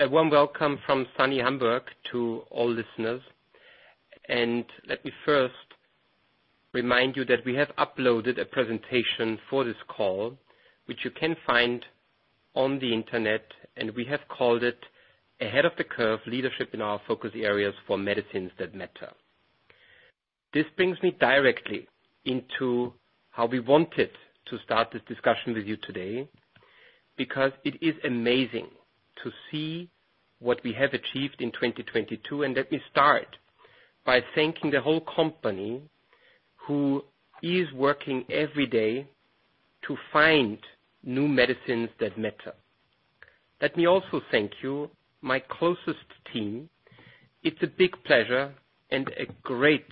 A warm welcome from sunny Hamburg to all listeners. Let me first remind you that we have uploaded a presentation for this call, which you can find on the internet, and we have called it Ahead of the Curve Leadership in our Focus Areas for Medicines that Matter. This brings me directly into how we wanted to start this discussion with you today, because it is amazing to see what we have achieved in 2022. Let me start by thanking the whole company who is working every day to find new medicines that matter. Let me also thank you, my closest team. It's a big pleasure and a great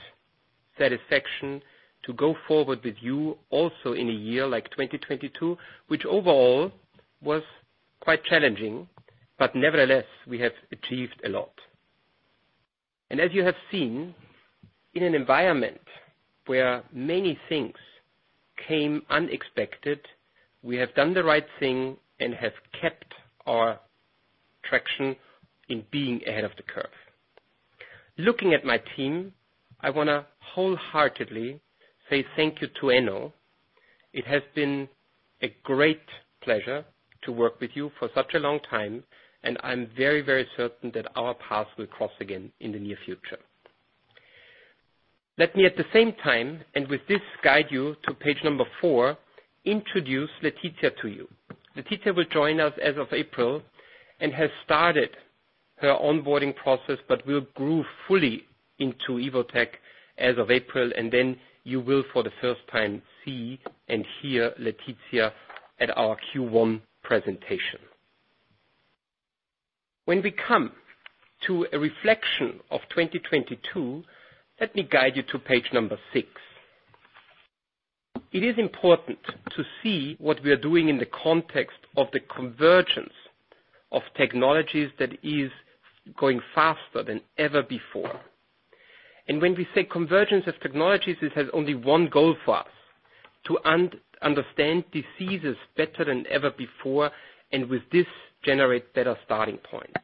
satisfaction to go forward with you also in a year like 2022, which overall was quite challenging, but nevertheless, we have achieved a lot. As you have seen, in an environment where many things came unexpected, we have done the right thing and have kept our traction in being ahead of the curve. Looking at my team, I want to wholeheartedly say thank you to Enno. It has been a great pleasure to work with you for such a long time, and I'm very, very certain that our paths will cross again in the near future. Let me at the same time, and with this, guide you to page four, introduce Laetitia to you. Laetitia will join us as of April and has started her onboarding process, but will grew fully into Evotec as of April. Then you will for the first time see and hear Laetitia at our Q1 presentation. When we come to a reflection of 2022, let me guide you to page six. It is important to see what we are doing in the context of the convergence of technologies that is going faster than ever before. When we say convergence of technologies, this has only one goal for us, to un-understand diseases better than ever before, and with this, generate better starting point.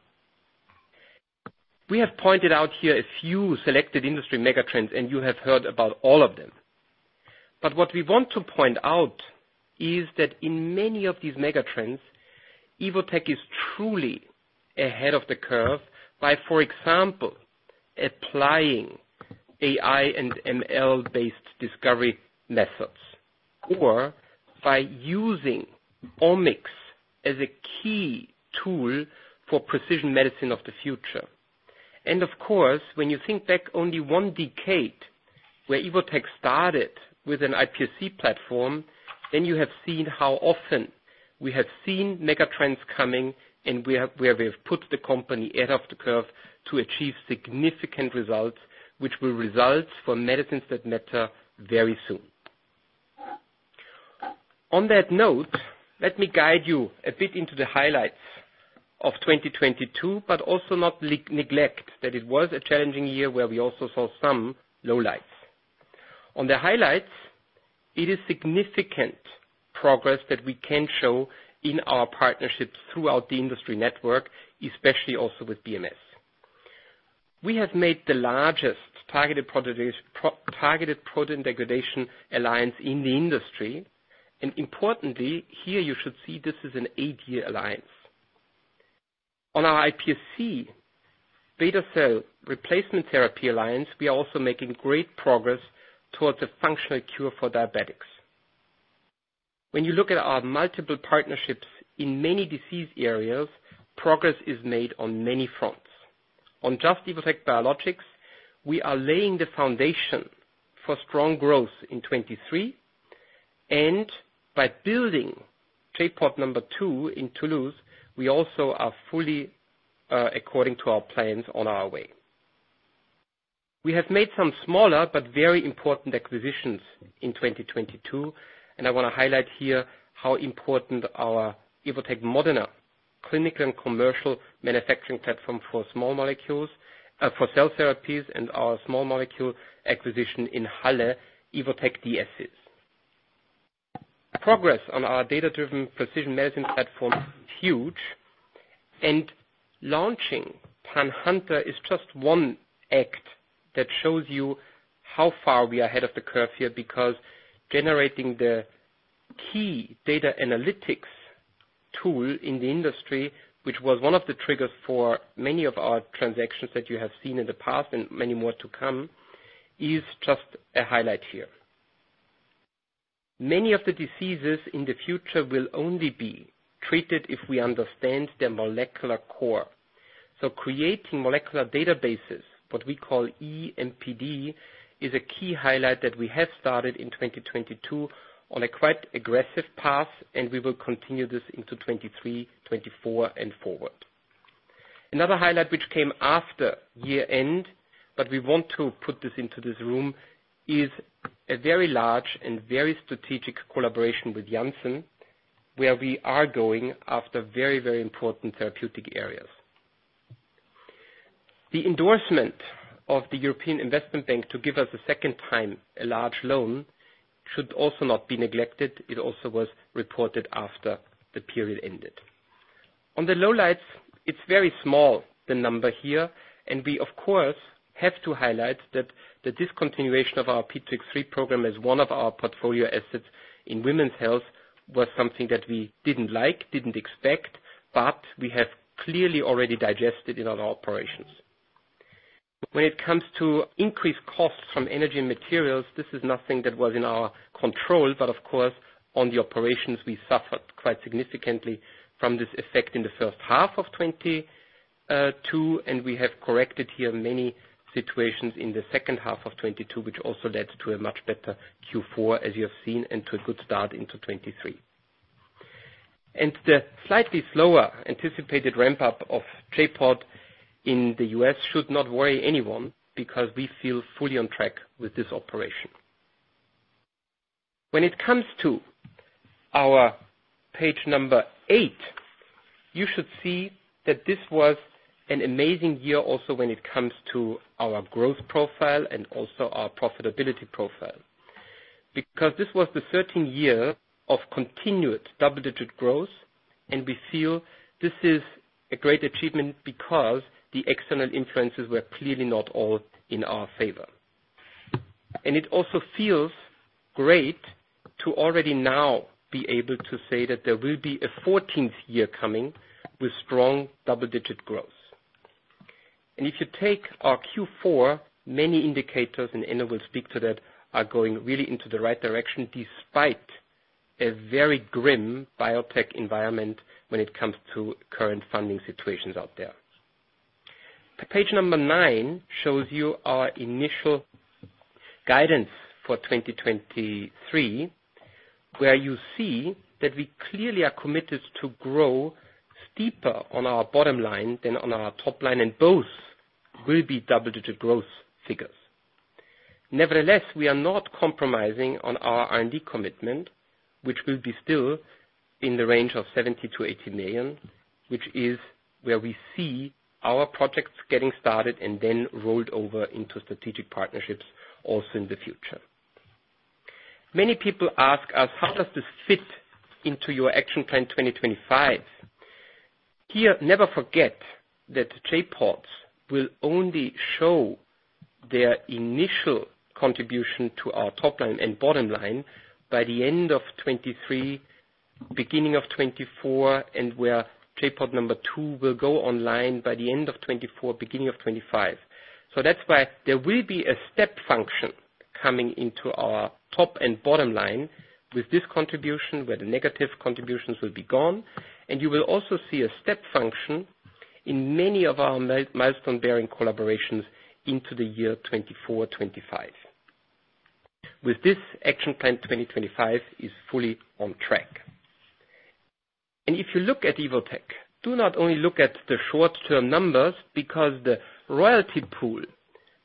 We have pointed out here a few selected industry mega trends, and you have heard about all of them. What we want to point out is that in many of these mega trends, Evotec is truly ahead of the curve by, for example, applying AI and ML-based discovery methods, or by using Omics as a key tool for precision medicine of the future. Of course, when you think back only one decade where Evotec started with an iPSC platform, you have seen how often we have seen megatrends coming and where we have put the company ahead of the curve to achieve significant results, which will result for medicines that matter very soon. On that note, let me guide you a bit into the highlights of 2022, but also not neglect that it was a challenging year where we also saw some low lights. On the highlights, it is significant progress that we can show in our partnerships throughout the industry network, especially also with BMS. We have made the largest targeted protein degradation alliance in the industry. Importantly, here you should see this is an eight-year alliance. On our iPSC beta cell replacement therapy alliance, we are also making great progress towards a functional cure for diabetics. When you look at our multiple partnerships in many disease areas, progress is made on many fronts. On Just - Evotec Biologics, we are laying the foundation for strong growth in 2023, and by building J.POD 2 in Toulouse, we also are fully, according to our plans on our way. We have made some smaller but very important acquisitions in 2022, and I want to highlight here how important our Evotec Modena clinical and commercial manufacturing platform for small molecules, for cell therapies and our small molecule acquisition in Halle, Evotec DS. Progress on our data-driven precision medicine platform is huge. Launching PanHunter is just one act that shows you how far we are ahead of the curve here, because generating the key data analytics tool in the industry, which was one of the triggers for many of our transactions that you have seen in the past, and many more to come, is just a highlight here. Many of the diseases in the future will only be treated if we understand the molecular core. Creating molecular databases, what we call E.MPD, is a key highlight that we have started in 2022 on a quite aggressive path, and we will continue this into 2023, 2024 and forward. Another highlight which came after year-end, but we want to put this into this room, is a very large and very strategic collaboration with Janssen, where we are going after very, very important therapeutic areas. The endorsement of the European Investment Bank to give us a second time a large loan should also not be neglected. It also was reported after the period ended. On the lowlights, it's very small, the number here, and we of course, have to highlight that the discontinuation of our P2X3 program as one of our portfolio assets in women's health was something that we didn't like, didn't expect, but we have clearly already digested in our operations. When it comes to increased costs from energy materials, this is nothing that was in our control, but of course, on the operations, we suffered quite significantly from this effect in the first half of 2022, and we have corrected here many situations in the second half of 2022, which also led to a much better Q4, as you have seen, and to a good start into 2023. The slightly slower anticipated ramp-up of J.POD in the U.S. should not worry anyone because we feel fully on track with this operation. When it comes to our page number eight, you should see that this was an amazing year also when it comes to our growth profile and also our profitability profile. This was the thirteenth year of continued double-digit growth, and we feel this is a great achievement because the external influences were clearly not all in our favor. It also feels great to already now be able to say that there will be a fourteenth year coming with strong double-digit growth. If you take our Q4, many indicators, and Enno will speak to that, are going really into the right direction, despite a very grim biotech environment when it comes to current funding situations out there. Page nine shows you our initial guidance for 2023, where you see that we clearly are committed to grow steeper on our bottom line than on our top line, and both will be double-digit growth figures. Nevertheless, we are not compromising on our R&D commitment, which will be still in the range of 70 million-80 million, which is where we see our projects getting started and then rolled over into strategic partnerships also in the future. Many people ask us, "How does this fit into your Action Plan 2025?" Here, never forget that J.PODs will only show their initial contribution to our top line and bottom line by the end of 2023, beginning of 2024, and where J.POD 2 will go online by the end of 2024, beginning of 2025. That's why there will be a step function coming into our top and bottom line with this contribution, where the negative contributions will be gone. You will also see a step function in many of our milestone-bearing collaborations into the year 2024, 2025. With this, Action Plan 2025 is fully on track. If you look at Evotec, do not only look at the short-term numbers, because the royalty pool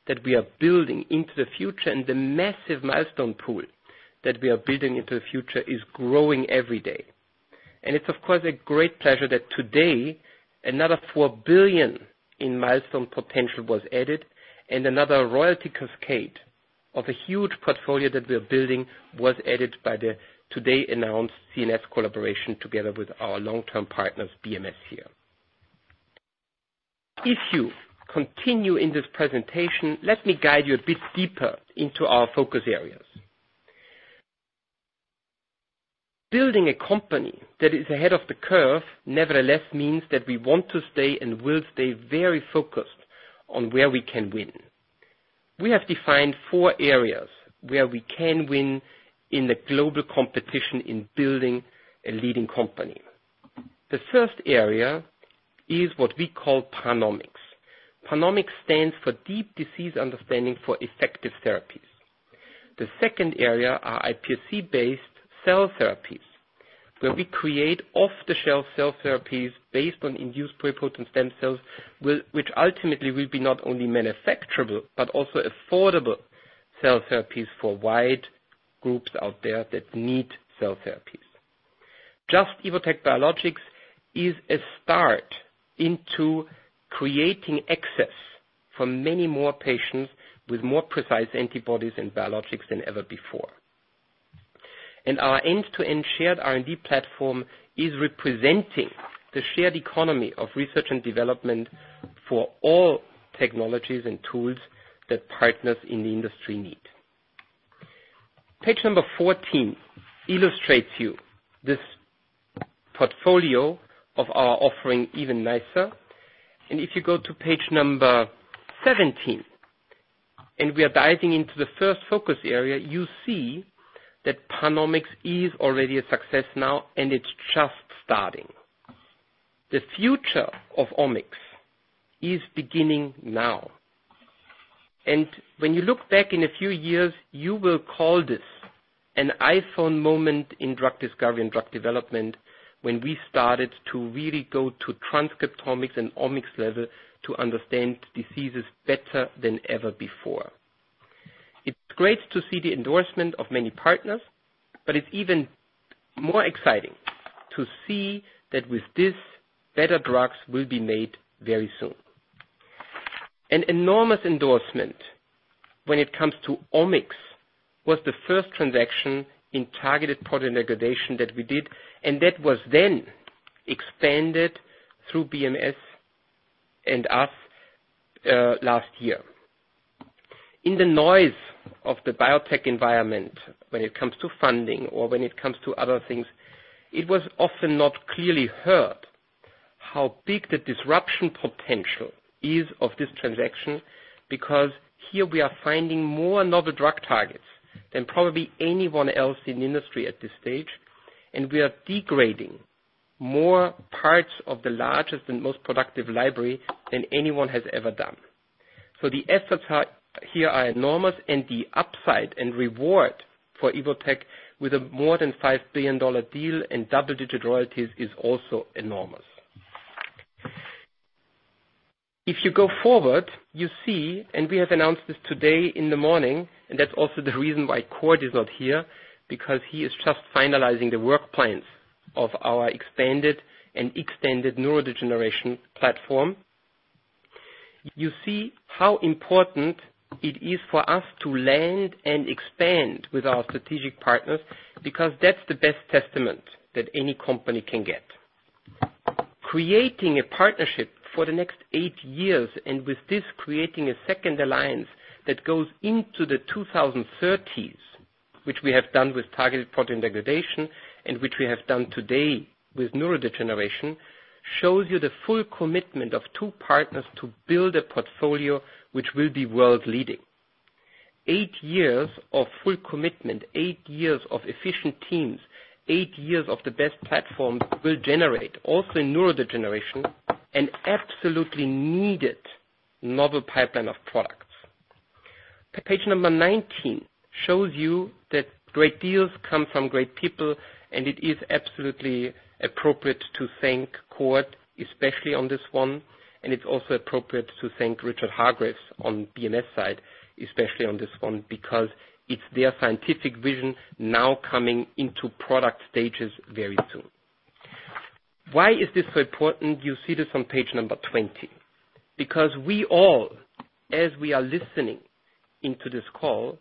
that we are building into the future and the massive milestone pool that we are building into the future is growing every day. It's, of course, a great pleasure that today another 4 billion in milestone potential was added and another royalty cascade of a huge portfolio that we are building was added by the today-announced CNS collaboration together with our long-term partners, BMS here. If you continue in this presentation, let me guide you a bit deeper into our focus areas. Building a company that is ahead of the curve, nevertheless, means that we want to stay and will stay very focused on where we can win. We have defined four areas where we can win in the global competition in building a leading company. The first area is what we call PanOmics. PanOmics stands for deep disease understanding for effective therapies. The second area are iPSC-based cell therapies, where we create off-the-shelf cell therapies based on induced pluripotent stem cells which ultimately will be not only manufacturable, but also affordable cell therapies for wide groups out there that need cell therapies. Just - Evotec Biologics is a start into creating access for many more patients with more precise antibodies and biologics than ever before. Our end-to-end shared R&D platform is representing the shared economy of research and development for all technologies and tools that partners in the industry need. Page number 14 illustrates you this portfolio of our offering even nicer. If you go to page number 17, and we are diving into the first focus area, you see that PanOmics is already a success now, and it's just starting. The future of Omics is beginning now. When you look back in a few years, you will call this an iPhone moment in drug discovery and drug development when we started to really go to transcriptomics and Omics level to understand diseases better than ever before. It's great to see the endorsement of many partners, but it's even more exciting to see that with this, better drugs will be made very soon. An enormous endorsement when it comes to Omics was the first transaction in targeted protein degradation that we did, and that was then expanded through BMS and us last year. In the noise of the biotech environment when it comes to funding or when it comes to other things, it was often not clearly heard how big the disruption potential is of this transaction, because here we are finding more novel drug targets than probably anyone else in the industry at this stage, and we are degrading more parts of the largest and most productive library than anyone has ever done. The efforts here are enormous and the upside and reward for Evotec with a more than $5 billion deal and double-digit royalties is also enormous. If you go forward, you see, and we have announced this today in the morning, and that's also the reason why Cord is not here, because he is just finalizing the work plans of our expanded and extended neurodegeneration platform. You see how important it is for us to land and expand with our strategic partners because that's the best testament that any company can get. Creating a partnership for the next eight years, and with this, creating a second alliance that goes into the 2030s, which we have done with targeted protein degradation and which we have done today with neurodegeneration, shows you the full commitment of two partners to build a portfolio which will be world-leading. Eight years of full commitment, eight years of efficient teams, eight years of the best platforms will generate, also in neurodegeneration, an absolutely needed novel pipeline of products. Page number 19 shows you that great deals come from great people, and it is absolutely appropriate to thank Cord, especially on this one. It's also appropriate to thank Richard Hargreaves on BMS side, especially on this one, because it's their scientific vision now coming into product stages very soon. Why is this so important? You see this on page number 20. We all, as we are listening into this call,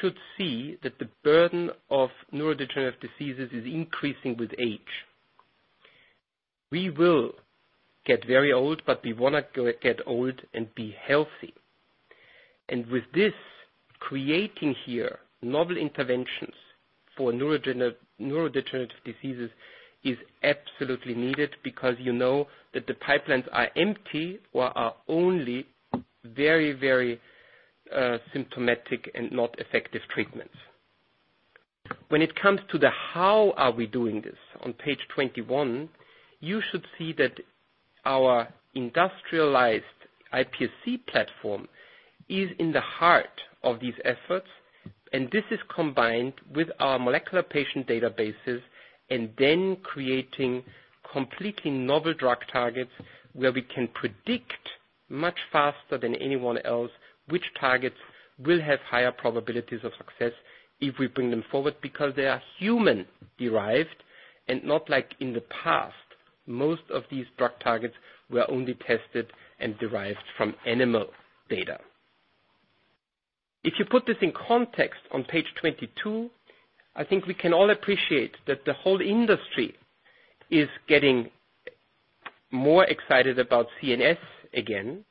should see that the burden of neurodegenerative diseases is increasing with age. We will get very old, but we wanna get old and be healthy. With this, creating here novel interventions for neurodegenerative diseases is absolutely needed because you know that the pipelines are empty or are only very, very symptomatic and not effective treatments. When it comes to the how are we doing this, on page 21, you should see that our industrialized iPSC platform is in the heart of these efforts. This is combined with our molecular patient databases and then creating completely novel drug targets where we can predict much faster than anyone else which targets will have higher probabilities of success if we bring them forward because they are human-derived and not like in the past. Most of these drug targets were only tested and derived from animal data. If you put this in context on page 22, I think we can all appreciate that the whole industry is getting more excited about CNS again.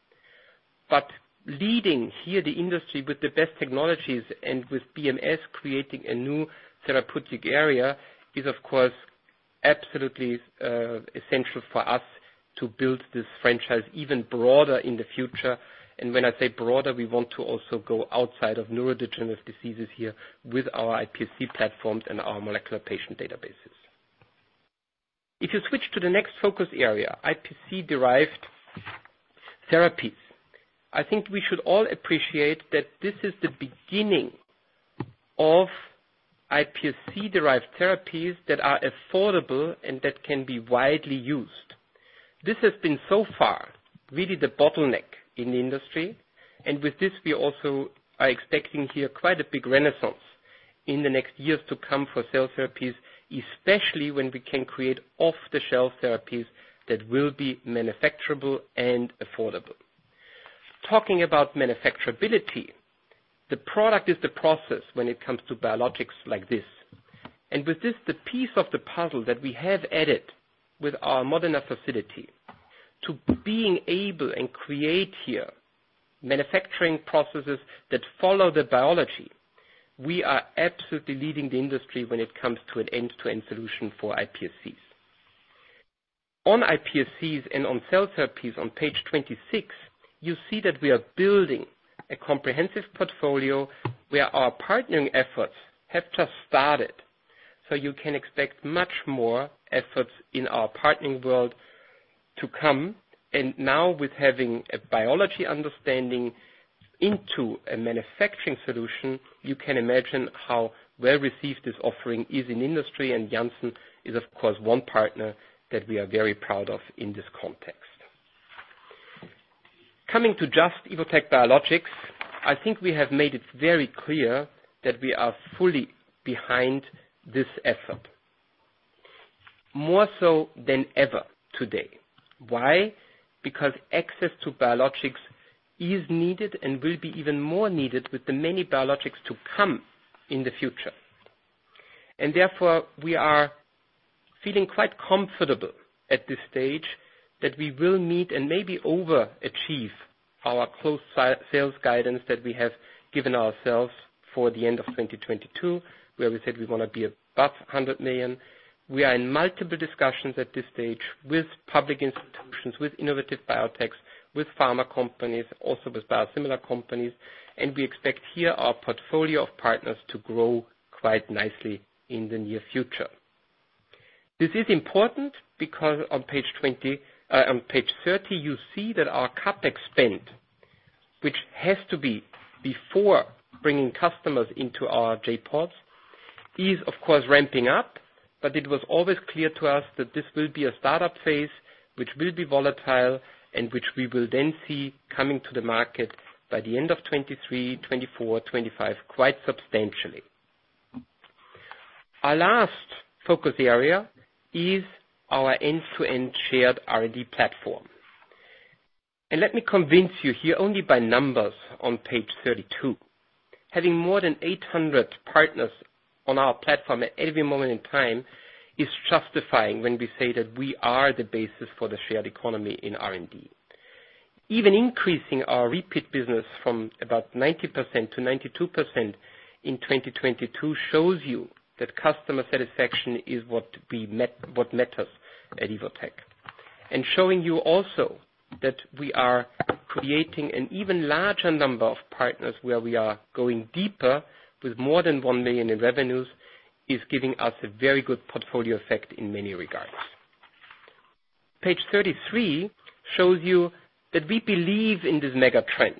Leading here the industry with the best technologies and with BMS creating a new therapeutic area is of course, absolutely essential for us to build this franchise even broader in the future. When I say broader, we want to also go outside of neurodegenerative diseases here with our iPSC platforms and our molecular patient databases. If you switch to the next focus area, iPSC-derived therapies, I think we should all appreciate that this is the beginning of iPSC-derived therapies that are affordable and that can be widely used. This has been so far, really the bottleneck in the industry. With this, we also are expecting here quite a big renaissance in the next years to come for cell therapies, especially when we can create off-the-shelf therapies that will be manufacturable and affordable. Talking about manufacturability, the product is the process when it comes to biologics like this. With this, the piece of the puzzle that we have added with our Modena facility to being able and create here manufacturing processes that follow the biology, we are absolutely leading the industry when it comes to an end-to-end solution for iPSCs. On iPSCs and on cell therapies on page 26, you see that we are building a comprehensive portfolio where our partnering efforts have just started. You can expect much more efforts in our partnering world to come. Now with having a biology understanding into a manufacturing solution, you can imagine how well received this offering is in industry. Janssen is of course, one partner that we are very proud of in this context. Coming to Just - Evotec Biologics, I think we have made it very clear that we are fully behind this effort, more so than ever today. Why? Because access to biologics is needed and will be even more needed with the many biologics to come in the future. Therefore, we are feeling quite comfortable at this stage that we will meet and maybe over-achieve our sales guidance that we have given ourselves for the end of 2022, where we said we wanna be above 100 million. We are in multiple discussions at this stage with public institutions, with innovative biotechs, with pharma companies, also with biosimilar companies, and we expect here our portfolio of partners to grow quite nicely in the near future. This is important because on page 20, on page 30, you see that our CapEx spend, which has to be before bringing customers into our J.PODs, is of course ramping up, but it was always clear to us that this will be a startup phase which will be volatile and which we will then see coming to the market by the end of 2023, 2024, 2025, quite substantially. Our last focus area is our end-to-end shared R&D platform. Let me convince you here only by numbers on page 32. Having more than 800 partners on our platform at every moment in time is justifying when we say that we are the basis for the shared economy in R&D. Even increasing our repeat business from about 90% to 92% in 2022 shows you that customer satisfaction is what matters at Evotec. Showing you also that we are creating an even larger number of partners where we are going deeper with more than 1 million in revenues is giving us a very good portfolio effect in many regards. Page 33 shows you that we believe in this mega-trend,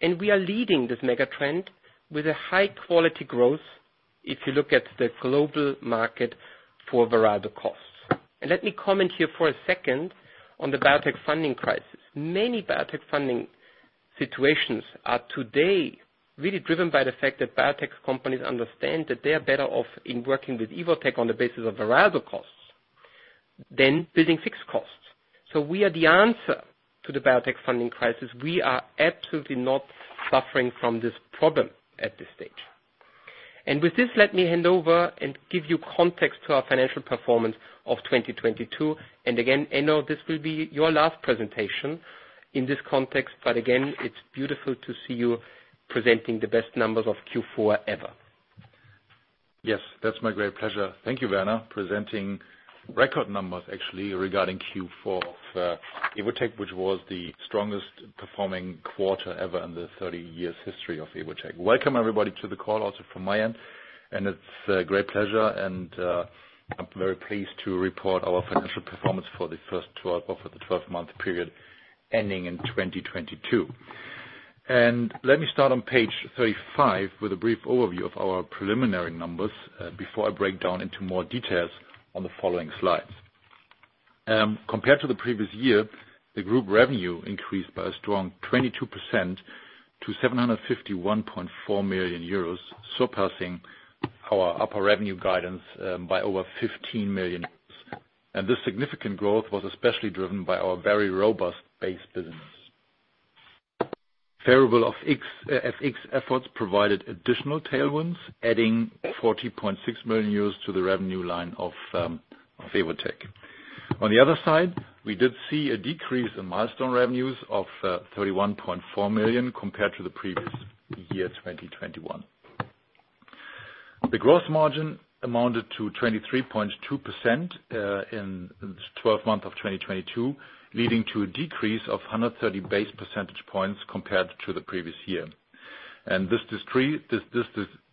and we are leading this mega-trend with a high quality growth if you look at the global market for variable costs. Let me comment here for a second on the biotech funding crisis. Many biotech funding situations are today really driven by the fact that biotech companies understand that they are better off in working with Evotec on the basis of variable costs than building fixed costs. We are the answer to the biotech funding crisis. We are absolutely not suffering from this problem at this stage. With this, let me hand over and give you context to our financial performance of 2022. Again, Enno, this will be your last presentation in this context, but again, it's beautiful to see you presenting the best numbers of Q4 ever. Yes, that's my great pleasure. Thank you, Werner. Presenting record numbers actually regarding Q4 of Evotec, which was the strongest performing quarter ever in the 30 years history of Evotec. Welcome everybody to the call also from my end. It's a great pleasure and I'm very pleased to report our financial performance for the 12-month period ending in 2022. Let me start on page 35 with a brief overview of our preliminary numbers before I break down into more details on the following slides. Compared to the previous year, the group revenue increased by a strong 22% to 751.4 million euros, surpassing our upper revenue guidance by over 15 million. This significant growth was especially driven by our very robust base business. Favorable FX efforts provided additional tailwinds, adding 40.6 million euros to the revenue line of Evotec. On the other side, we did see a decrease in milestone revenues of 31.4 million compared to the previous year, 2021. The gross margin amounted to 23.2%, in the 12 month of 2022, leading to a decrease of 130 base percentage points compared to the previous year. This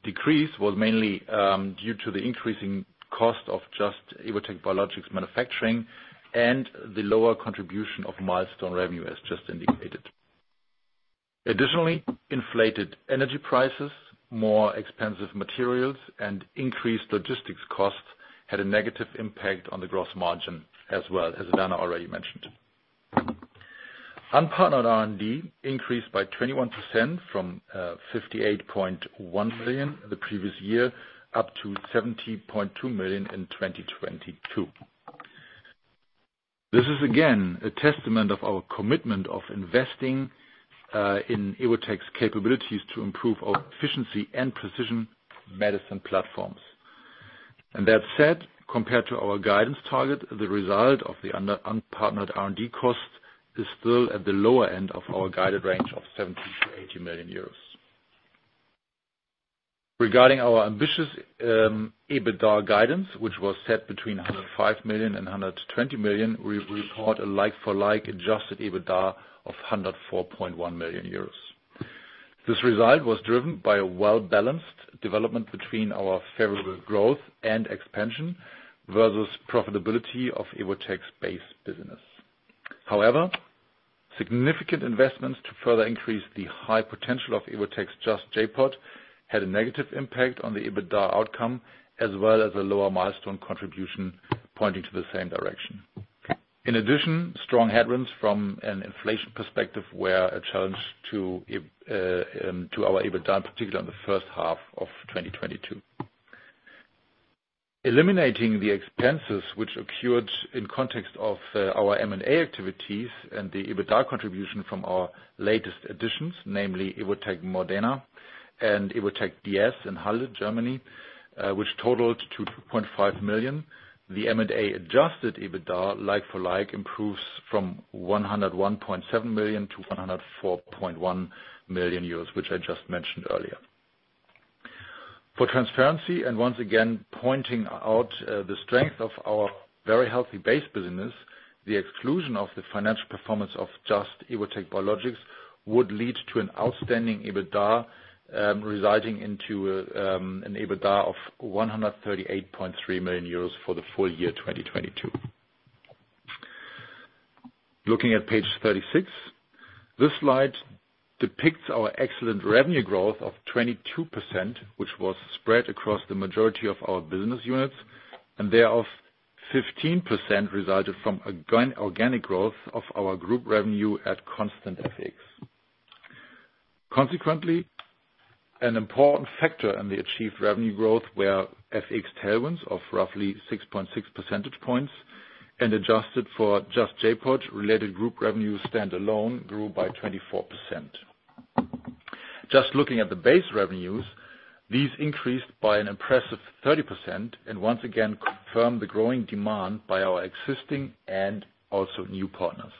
decrease was mainly due to the increasing cost of Just - Evotec Biologics manufacturing and the lower contribution of milestone revenue, as just indicated. Additionally, inflated energy prices, more expensive materials, and increased logistics costs had a negative impact on the gross margin as well, as Werner already mentioned. Unpartnered R&D increased by 21% from 58.1 million the previous year, up to 70.2 million in 2022. This is again a testament of our commitment of investing in Evotec's capabilities to improve our efficiency and precision medicine platforms. That said, compared to our guidance target, the result of the unpartnered R&D cost is still at the lower end of our guided range of 70 million-80 million euros. Regarding our ambitious EBITDA guidance, which was set between 105 million and 120 million, we report a like-for-like adjusted EBITDA of 104.1 million euros. This result was driven by a well-balanced development between our favorable growth and expansion versus profitability of Evotec's base business. However, significant investments to further increase the high potential of Evotec's Just J.POD had a negative impact on the EBITDA outcome, as well as a lower milestone contribution pointing to the same direction. In addition, strong headwinds from an inflation perspective were a challenge to our EBITDA, particularly on the first half of 2022. Eliminating the expenses which occurred in context of our M&A activities and the EBITDA contribution from our latest additions, namely Evotec Modena and Evotec DS in Halle, Germany, which totaled to 2.5 million. The M&A adjusted EBITDA like for like improves from 101.7 million to 104.1 million euros, which I just mentioned earlier. For transparency, once again pointing out the strength of our very healthy base business, the exclusion of the financial performance of Just - Evotec Biologics would lead to an outstanding EBITDA, residing into an EBITDA of 138.3 million euros for the full year 2022. Looking at page 36. This slide depicts our excellent revenue growth of 22%, which was spread across the majority of our business units. Thereof, 15% resulted from organic growth of our group revenue at constant FX. Consequently, an important factor in the achieved revenue growth were FX tailwinds of roughly 6.6 percentage points. Adjusted for just J.POD-related group revenue, stand alone grew by 24%. Just looking at the base revenues, these increased by an impressive 30% once again confirmed the growing demand by our existing and also new partners.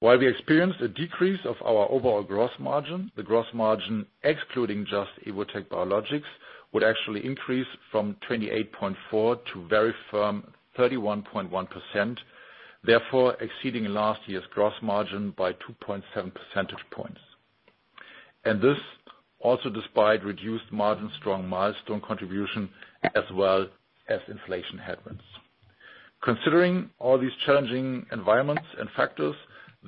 While we experienced a decrease of our overall gross margin, the gross margin, excluding Just - Evotec Biologics, would actually increase from 28.4% to very firm 31.1%, therefore exceeding last year's gross margin by 2.7 percentage points. This also despite reduced margin, strong milestone contribution, as well as inflation headwinds. Considering all these challenging environments and factors,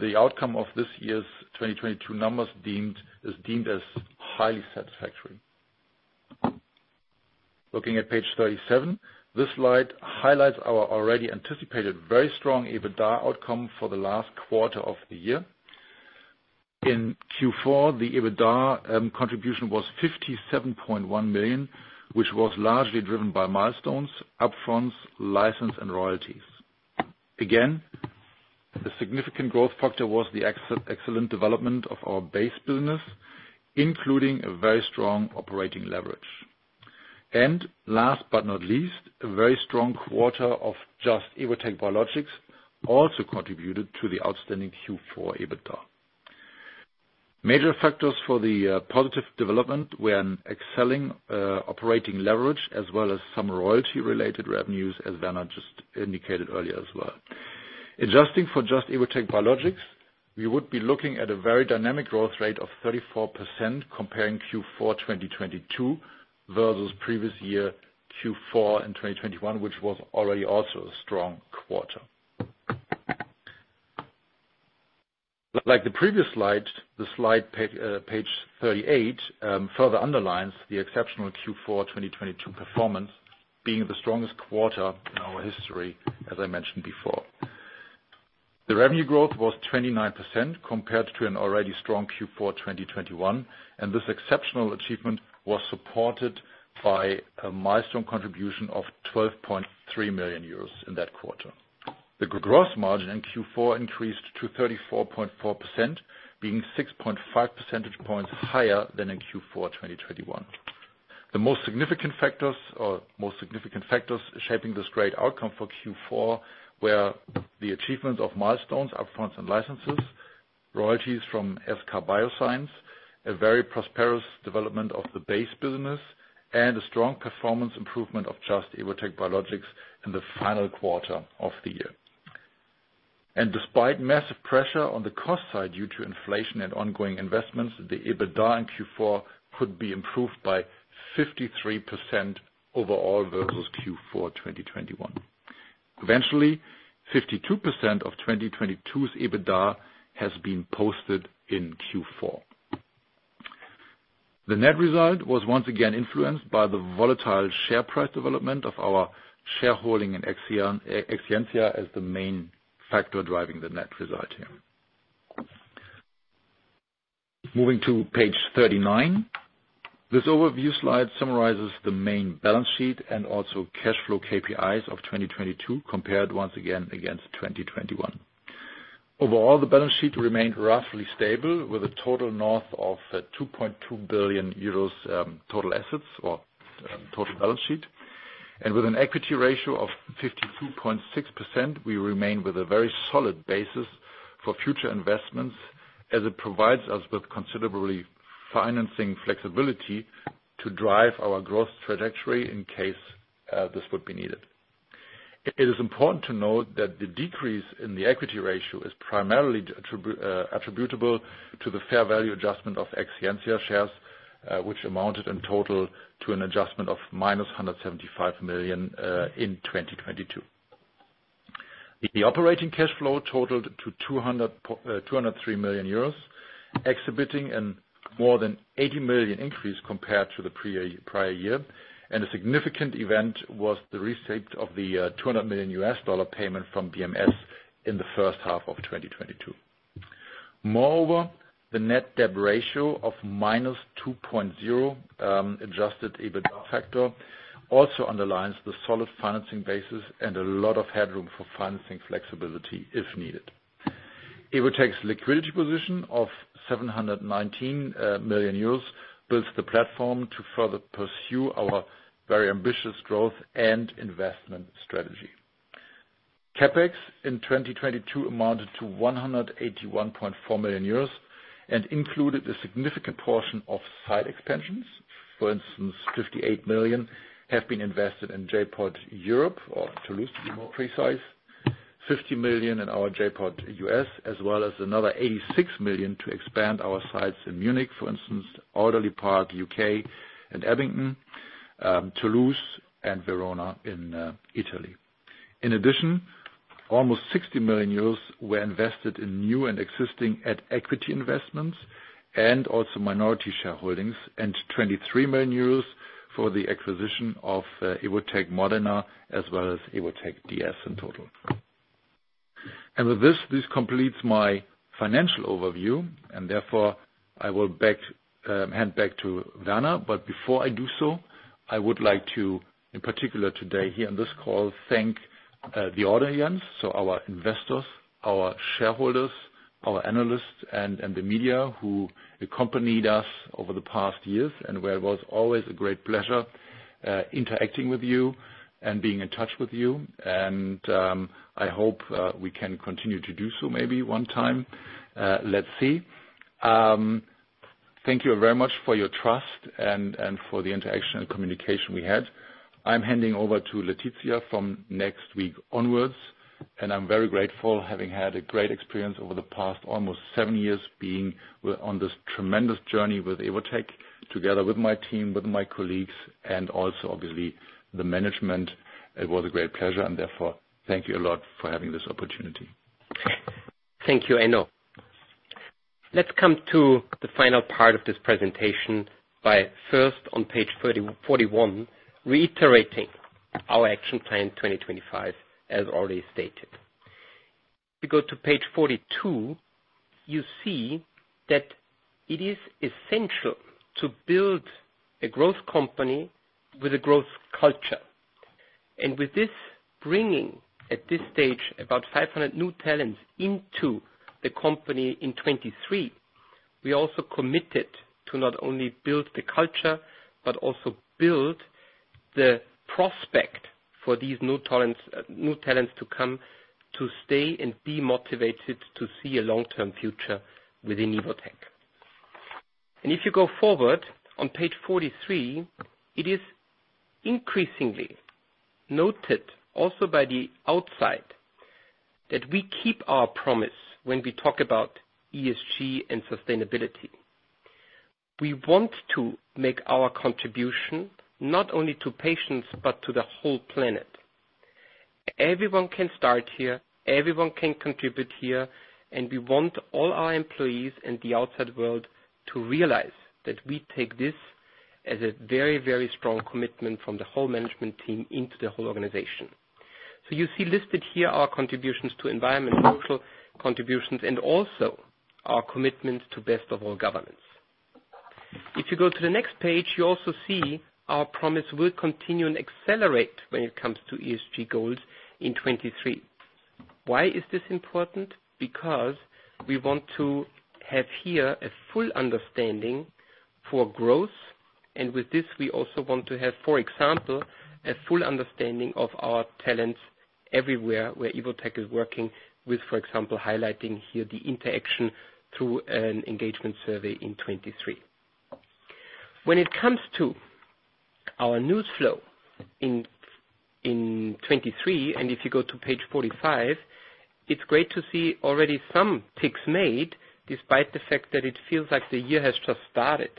the outcome of this year's 2022 numbers is deemed as highly satisfactory. Looking at page 37. This slide highlights our already anticipated very strong EBITDA outcome for the last quarter of the year. In Q4, the EBITDA contribution was 57.1 million, which was largely driven by milestones, up-fronts, license, and royalties. The significant growth factor was the excel-excellent development of our base business, including a very strong operating leverage. Last but not least, a very strong quarter of Just - Evotec Biologics also contributed to the outstanding Q4 EBITDA. Major factors for the positive development were an excelling operating leverage as well as some royalty-related revenues, as Werner just indicated earlier as well. Adjusting for Just - Evotec Biologics, we would be looking at a very dynamic growth rate of 34% comparing Q4 2022 versus previous year Q4 in 2021, which was already also a strong quarter. Like the previous slide, the slide page 38 further underlines the exceptional Q4 2022 performance being the strongest quarter in our history, as I mentioned before. The revenue growth was 29% compared to an already strong Q4 2021, and this exceptional achievement was supported by a milestone contribution of 12.3 million euros in that quarter. The gross margin in Q4 increased to 34.4%, being 6.5 percentage points higher than in Q4 2021. The most significant factors or most significant factors shaping this great outcome for Q4 were the achievement of milestones, up-fronts and licenses, royalties from SK bioscience, a very prosperous development of the base business, and a strong performance improvement of Just - Evotec Biologics in the final quarter of the year. Despite massive pressure on the cost side due to inflation and ongoing investments, the EBITDA in Q4 could be improved by 53% overall versus Q4 2021. Eventually, 52% of 2022's EBITDA has been posted in Q4. The net result was once again influenced by the volatile share price development of our shareholding in Exscientia as the main factor driving the net result here. Moving to page 39. This overview slide summarizes the main balance sheet and also cash flow KPIs of 2022 compared once again against 2021. Overall, the balance sheet remained roughly stable with a total north of 2.2 billion euros total assets or total balance sheet. With an equity ratio of 52.6%, we remain with a very solid basis for future investments as it provides us with considerably financing flexibility to drive our growth trajectory in case this would be needed. It is important to note that the decrease in the equity ratio is primarily attributable to the fair value adjustment of Exscientia shares, which amounted in total to an adjustment of minus 175 million in 2022. The operating cash flow totaled to 203 million euros, exhibiting a more than 80 million increase compared to the prior year. A significant event was the receipt of the $200 million payment from BMS in the first half of 2022. The net debt ratio of -2.0 adjusted EBITDA factor also underlines the solid financing basis and a lot of headroom for financing flexibility if needed. Evotec's liquidity position of 719 million euros builds the platform to further pursue our very ambitious growth and investment strategy. CapEx in 2022 amounted to 181.4 million euros and included a significant portion of site expansions. For instance, 58 million have been invested in J.POD Europe or Toulouse, to be more precise. 50 million in our J.POD U.S., as well as another 86 million to expand our sites in Munich, for instance, Alderley Park, U.K., Abingdon, Toulouse, and Verona in Italy. In addition, almost 60 million euros were invested in new and existing at equity investments and also minority shareholdings, and 23 million euros for the acquisition of Evotec Modena as well as Evotec DS in total. With this completes my financial overview, and therefore I will hand back to Werner. Before I do so, I would like to, in particular today here on this call, thank the audience, so our investors, our shareholders, our analysts and the media who accompanied us over the past years and where it was always a great pleasure interacting with you and being in touch with you. I hope we can continue to do so maybe one time. Let's see. Thank you very much for your trust and for the interaction and communication we had. I'm handing over to Laetitia from next week onwards. I'm very grateful having had a great experience over the past almost seven years being on this tremendous journey with Evotec, together with my team, with my colleagues, also obviously the management. It was a great pleasure. Therefore, thank you a lot for having this opportunity. Thank you, Enno. Let's come to the final part of this presentation by first, on page 30-41, reiterating our Action Plan 2025 as already stated. If you go to page 42, you see that it is essential to build a growth company with a growth culture. With this bringing, at this stage, about 500 new talents into the company in 2023, we also committed to not only build the culture, but also build the prospect for these new talents to come, to stay and be motivated to see a long-term future within Evotec. If you go forward on page 43, it is increasingly noted also by the outside that we keep our promise when we talk about ESG and sustainability. We want to make our contribution not only to patients but to the whole planet. Everyone can start here, everyone can contribute here. We want all our employees in the outside world to realize that we take this as a very, very strong commitment from the whole management team into the whole organization. You see listed here our contributions to environmental contributions and also our commitments to best of all governance. If you go to the next page, you also see our promise will continue and accelerate when it comes to ESG goals in 2023. Why is this important? Because we want to have here a full understanding for growth. With this we also want to have, for example, a full understanding of our talents everywhere where Evotec is working with, for example, highlighting here the interaction through an engagement survey in 2023. When it comes to our news flow in 2023, and if you go to page 45, it's great to see already some ticks made despite the fact that it feels like the year has just started.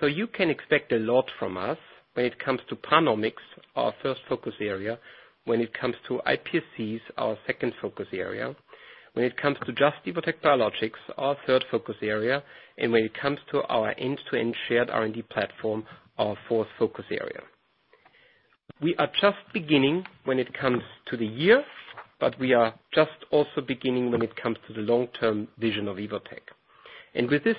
You can expect a lot from us when it comes to PanOmics, our first focus area, when it comes to iPSCs, our second focus area, when it comes to Just - Evotec Biologics, our third focus area, and when it comes to our end-to-end shared R&D platform, our fourth focus area. We are just beginning when it comes to the year, but we are just also beginning when it comes to the long-term vision of Evotec. With this,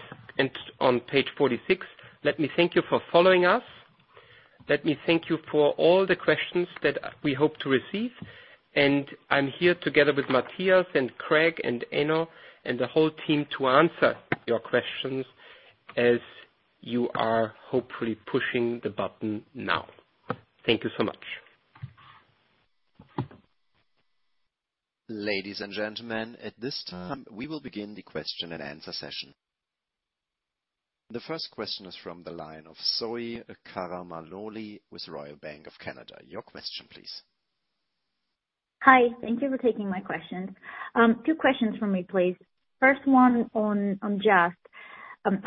on page 46, let me thank you for following us. Let me thank you for all the questions that we hope to receive. I'm here together with Matthias and Craig and Enno and the whole team to answer your questions as you are hopefully pushing the button now. Thank you so much. Ladies and gentlemen, at this time, we will begin the question and answer session. The first question is from the line of Zoe Karamanoli with Royal Bank of Canada. Your question please. Hi, thank you for taking my questions. Two questions from me, please. First one on Just.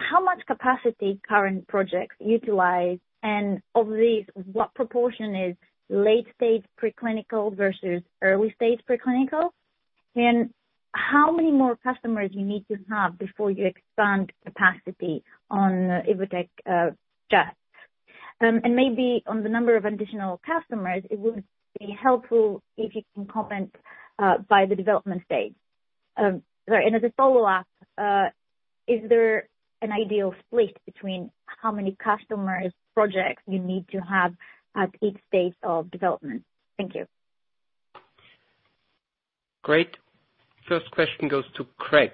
How much capacity current projects utilize, and of these, what proportion is late stage preclinical versus early stage preclinical? How many more customers you need to have before you expand capacity on Just - Evotec Biologics. Maybe on the number of additional customers, it would be helpful if you can comment by the development stage. Sorry. As a follow-up, is there an ideal split between how many customers' projects you need to have at each stage of development? Thank you. Great. First question goes to Craig.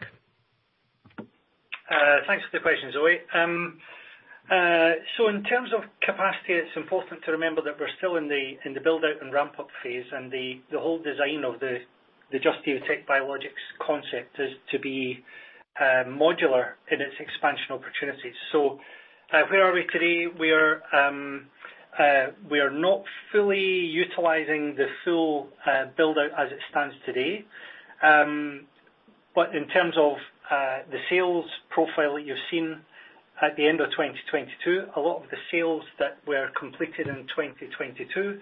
Thanks for the question, Zoe. In terms of capacity, it's important to remember that we're still in the build-out and ramp-up phase. The whole design of the Just - Evotec Biologics concept is to be modular in its expansion opportunities. Where are we today? We are not fully utilizing the full build-out as it stands today. In terms of the sales profile that you've seen at the end of 2022, a lot of the sales that were completed in 2022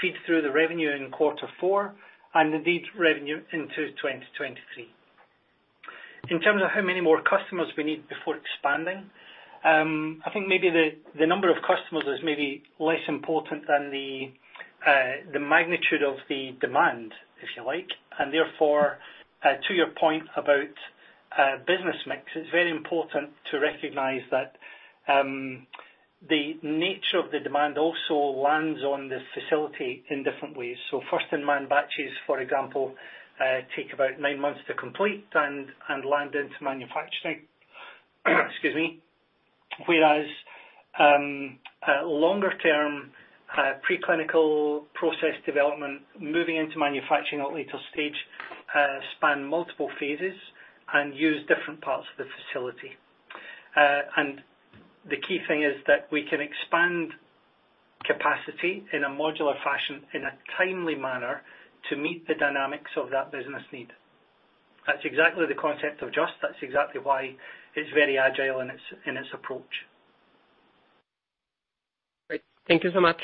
feed through the revenue in Q4, and indeed revenue into 2023. In terms of how many more customers we need before expanding, I think maybe the number of customers is maybe less important than the magnitude of the demand, if you like. Therefore, to your point about business mix, it's very important to recognize that the nature of the demand also lands on the facility in different ways. First-in-man batches, for example, take about nine months to complete and land into manufacturing. Excuse me. Whereas, longer term, preclinical process development moving into manufacturing at later stage, span multiple phases and use different parts of the facility. The key thing is that we can expand capacity in a modular fashion in a timely manner to meet the dynamics of that business need. That's exactly the concept of Just - Evotec Biologics. That's exactly why it's very agile in its, in its approach. Great. Thank you so much.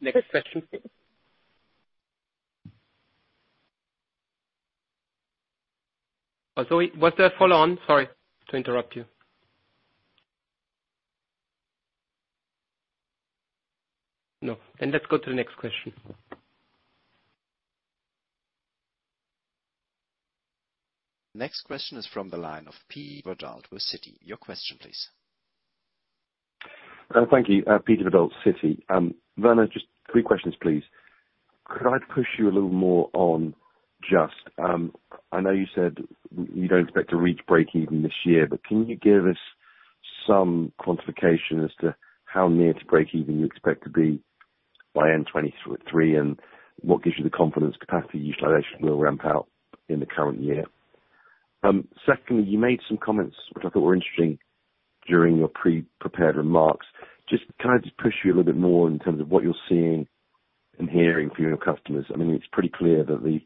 Next question. Zoe, was there a follow on? Sorry to interrupt you. No. Let's go to the next question. Next question is from the line of Peter Verdult with Citi. Your question please. Thank you. Peter Verdult, Citi. Werner, just three questions, please. Could I push you a little more on Just - Evotec Biologics? I know you said you don't expect to reach breakeven this year, but can you give us some quantification as to how near to breakeven you expect to be by end 2023, and what gives you the confidence capacity utilization will ramp out in the current year? Secondly, you made some comments which I thought were interesting during your pre-prepared remarks. Just, can I just push you a little bit more in terms of what you're seeing and hearing from your customers? I mean, it's pretty clear that the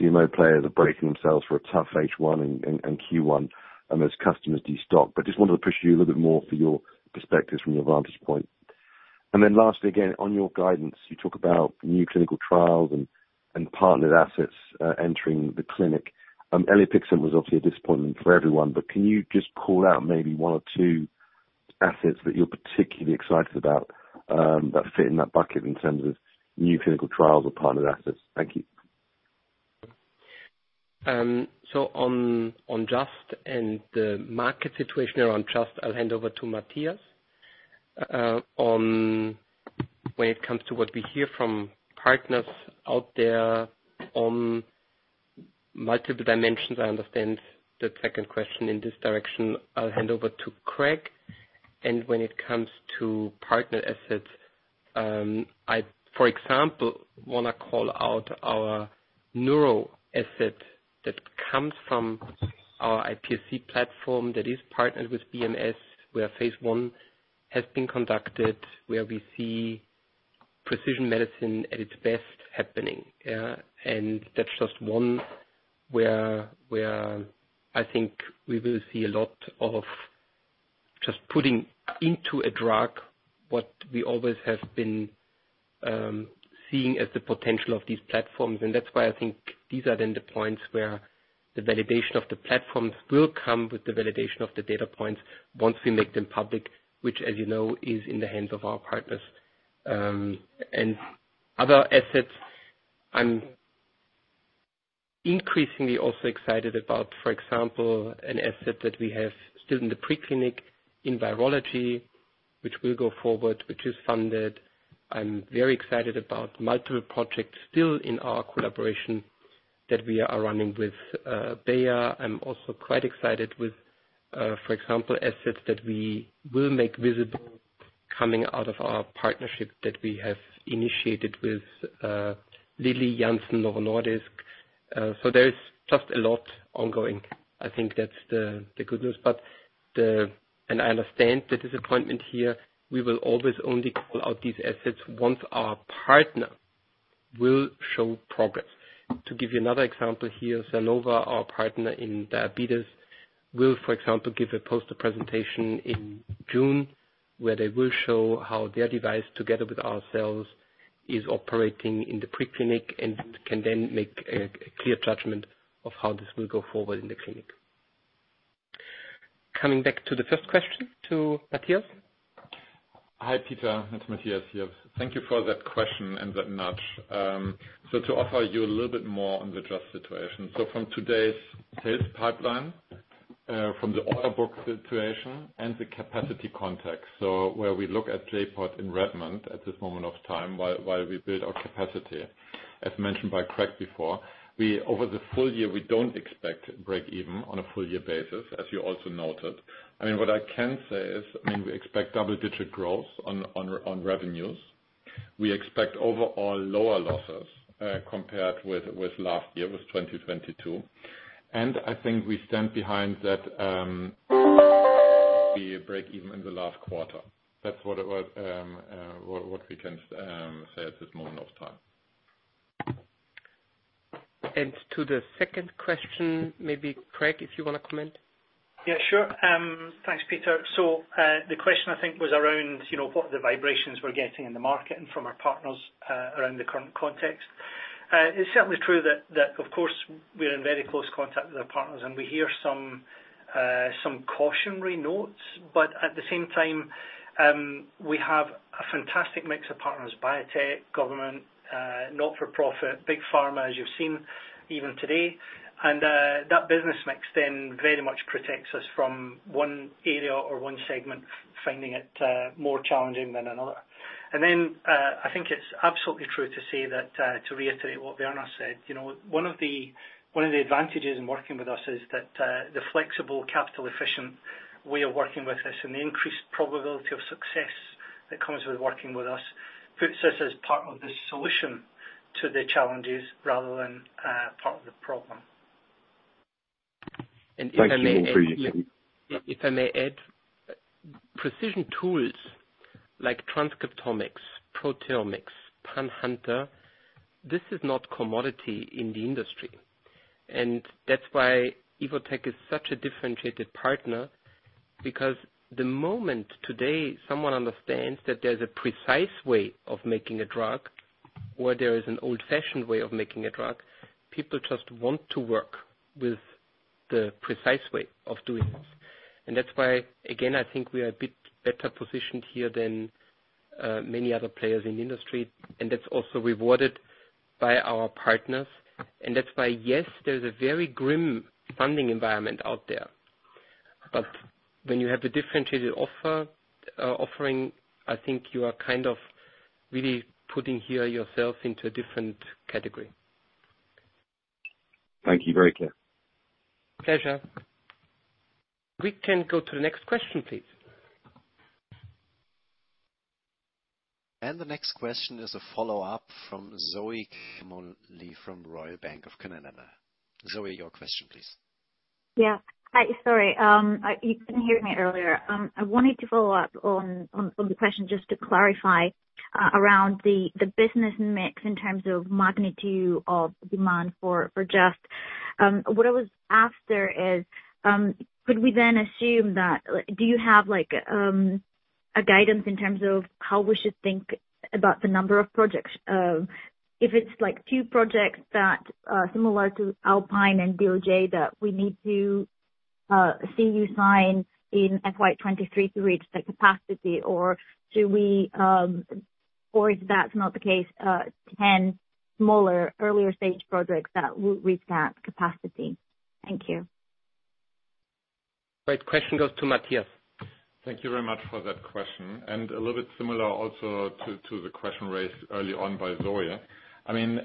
CMO players are bracing themselves for a tough H1 and Q1, as customers destock. Just wanted to push you a little bit more for your perspective from your vantage point. Lastly, again, on your guidance. You talk about new clinical trials and partnered assets entering the clinic. Elipixant was obviously a disappointment for everyone, but can you just call out maybe one or two assets that you're particularly excited about that fit in that bucket in terms of new clinical trials or partnered assets? Thank you. On Just – Evotec Biologics and the market situation around Just – Evotec Biologics, I'll hand over to Matthias. When it comes to what we hear from partners out there on multiple dimensions, I understand the second question in this direction. I'll hand over to Craig. When it comes to partner assets, I for example, wanna call out our neuro asset that comes from our iPSC platform that is partnered with BMS, where phase I has been conducted, where we see precision medicine at its best happening. Yeah, that's just one where I think we will see a lot of just putting into a drug what we always have been, seeing as the potential of these platforms. That's why I think these are then the points where the validation of the platforms will come with the validation of the data points once we make them public, which as you know, is in the hands of our partners. Other assets I'm increasingly also excited about, for example, an asset that we have still in the pre-clinic in virology, which will go forward, which is funded. I'm very excited about multiple projects still in our collaboration that we are running with Bayer. I'm also quite excited with, for example, assets that we will make visible coming out of our partnership that we have initiated with Eli Lilly, Janssen, Novo Nordisk. There's just a lot ongoing. I think that's the good news. I understand the disappointment here. We will always only call out these assets once our partner will show progress. To give you another example here, Sanofi, our partner in diabetes, will, for example, give a poster presentation in June, where they will show how their device together with ourselves is operating in the pre-clinic and can then make a clear judgment of how this will go forward in the clinic. Coming back to the first question to Matthias. Hi, Peter. It's Matthias here. Thank you for that question and that nudge. To offer you a little bit more on the draft situation. From today's sales pipeline, from the order book situation and the capacity context, so where we look at J.POD in Redmond at this moment of time while we build our capacity. As mentioned by Craig before, over the full year, we don't expect break even on a full year basis, as you also noted. I mean, what I can say is, I mean, we expect double-digit growth on revenues. We expect overall lower losses compared with last year, with 2022. I think we stand behind that, be break even in the last quarter. That's what it was, what we can say at this moment of time. To the second question, maybe Craig, if you wanna comment. Yeah, sure. Thanks, Peter. The question I think was around, you know, what the vibrations we're getting in the market and from our partners, around the current context. It's certainly true that, of course, we are in very close contact with our partners and we hear some cautionary notes. At the same time, we have a fantastic mix of partners, biotech, government, not-for-profit, big pharma, as you've seen even today. That business mix then very much protects us from one area or one segment finding it, more challenging than another. I think it's absolutely true to say that, to reiterate what Werner said, you know, one of the advantages in working with us is that the flexible capital efficient way of working with us and the increased probability of success that comes with working with us, puts us as part of the solution to the challenges rather than part of the problem. Thank you. If I may add, precision tools like transcriptomics, proteomics, PanHunter, this is not commodity in the industry. That's why Evotec is such a differentiated partner, because the moment today someone understands that there's a precise way of making a drug, where there is an old-fashioned way of making a drug, people just want to work with the precise way of doing this. That's why, again, I think we are a bit better positioned here than many other players in the industry, and that's also rewarded by our partners. That's why, yes, there's a very grim funding environment out there. When you have a differentiated offer, offering, I think you are kind of really putting here yourself into a different category. Thank you. Very clear. Pleasure. We can go to the next question, please. The next question is a follow-up from Zoe Karamanoli from Royal Bank of Canada. Zoe, your question, please. Hi. Sorry, you couldn't hear me earlier. I wanted to follow up on the question just to clarify around the business mix in terms of magnitude of demand for Just. What I was after is, could we then assume that, do you have, like, a guidance in terms of how we should think about the number of projects? If it's like two projects that are similar to Alpine and DoD that we need to see you sign in FY 2023 to reach the capacity, do we, or if that's not the case, 10 smaller earlier stage projects that will reach that capacity? Thank you. Great question goes to Matthias. Thank you very much for that question. A little bit similar also to the question raised early on by Zoe. I mean,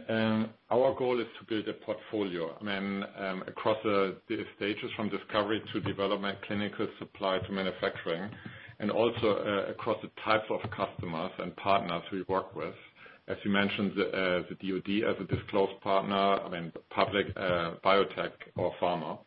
our goal is to build a portfolio. I mean, across the stages from discovery to development, clinical supply to manufacturing, and also, across the types of customers and partners we work with. As you mentioned, the DoD as a disclosed partner, I mean public, biotech or pharma.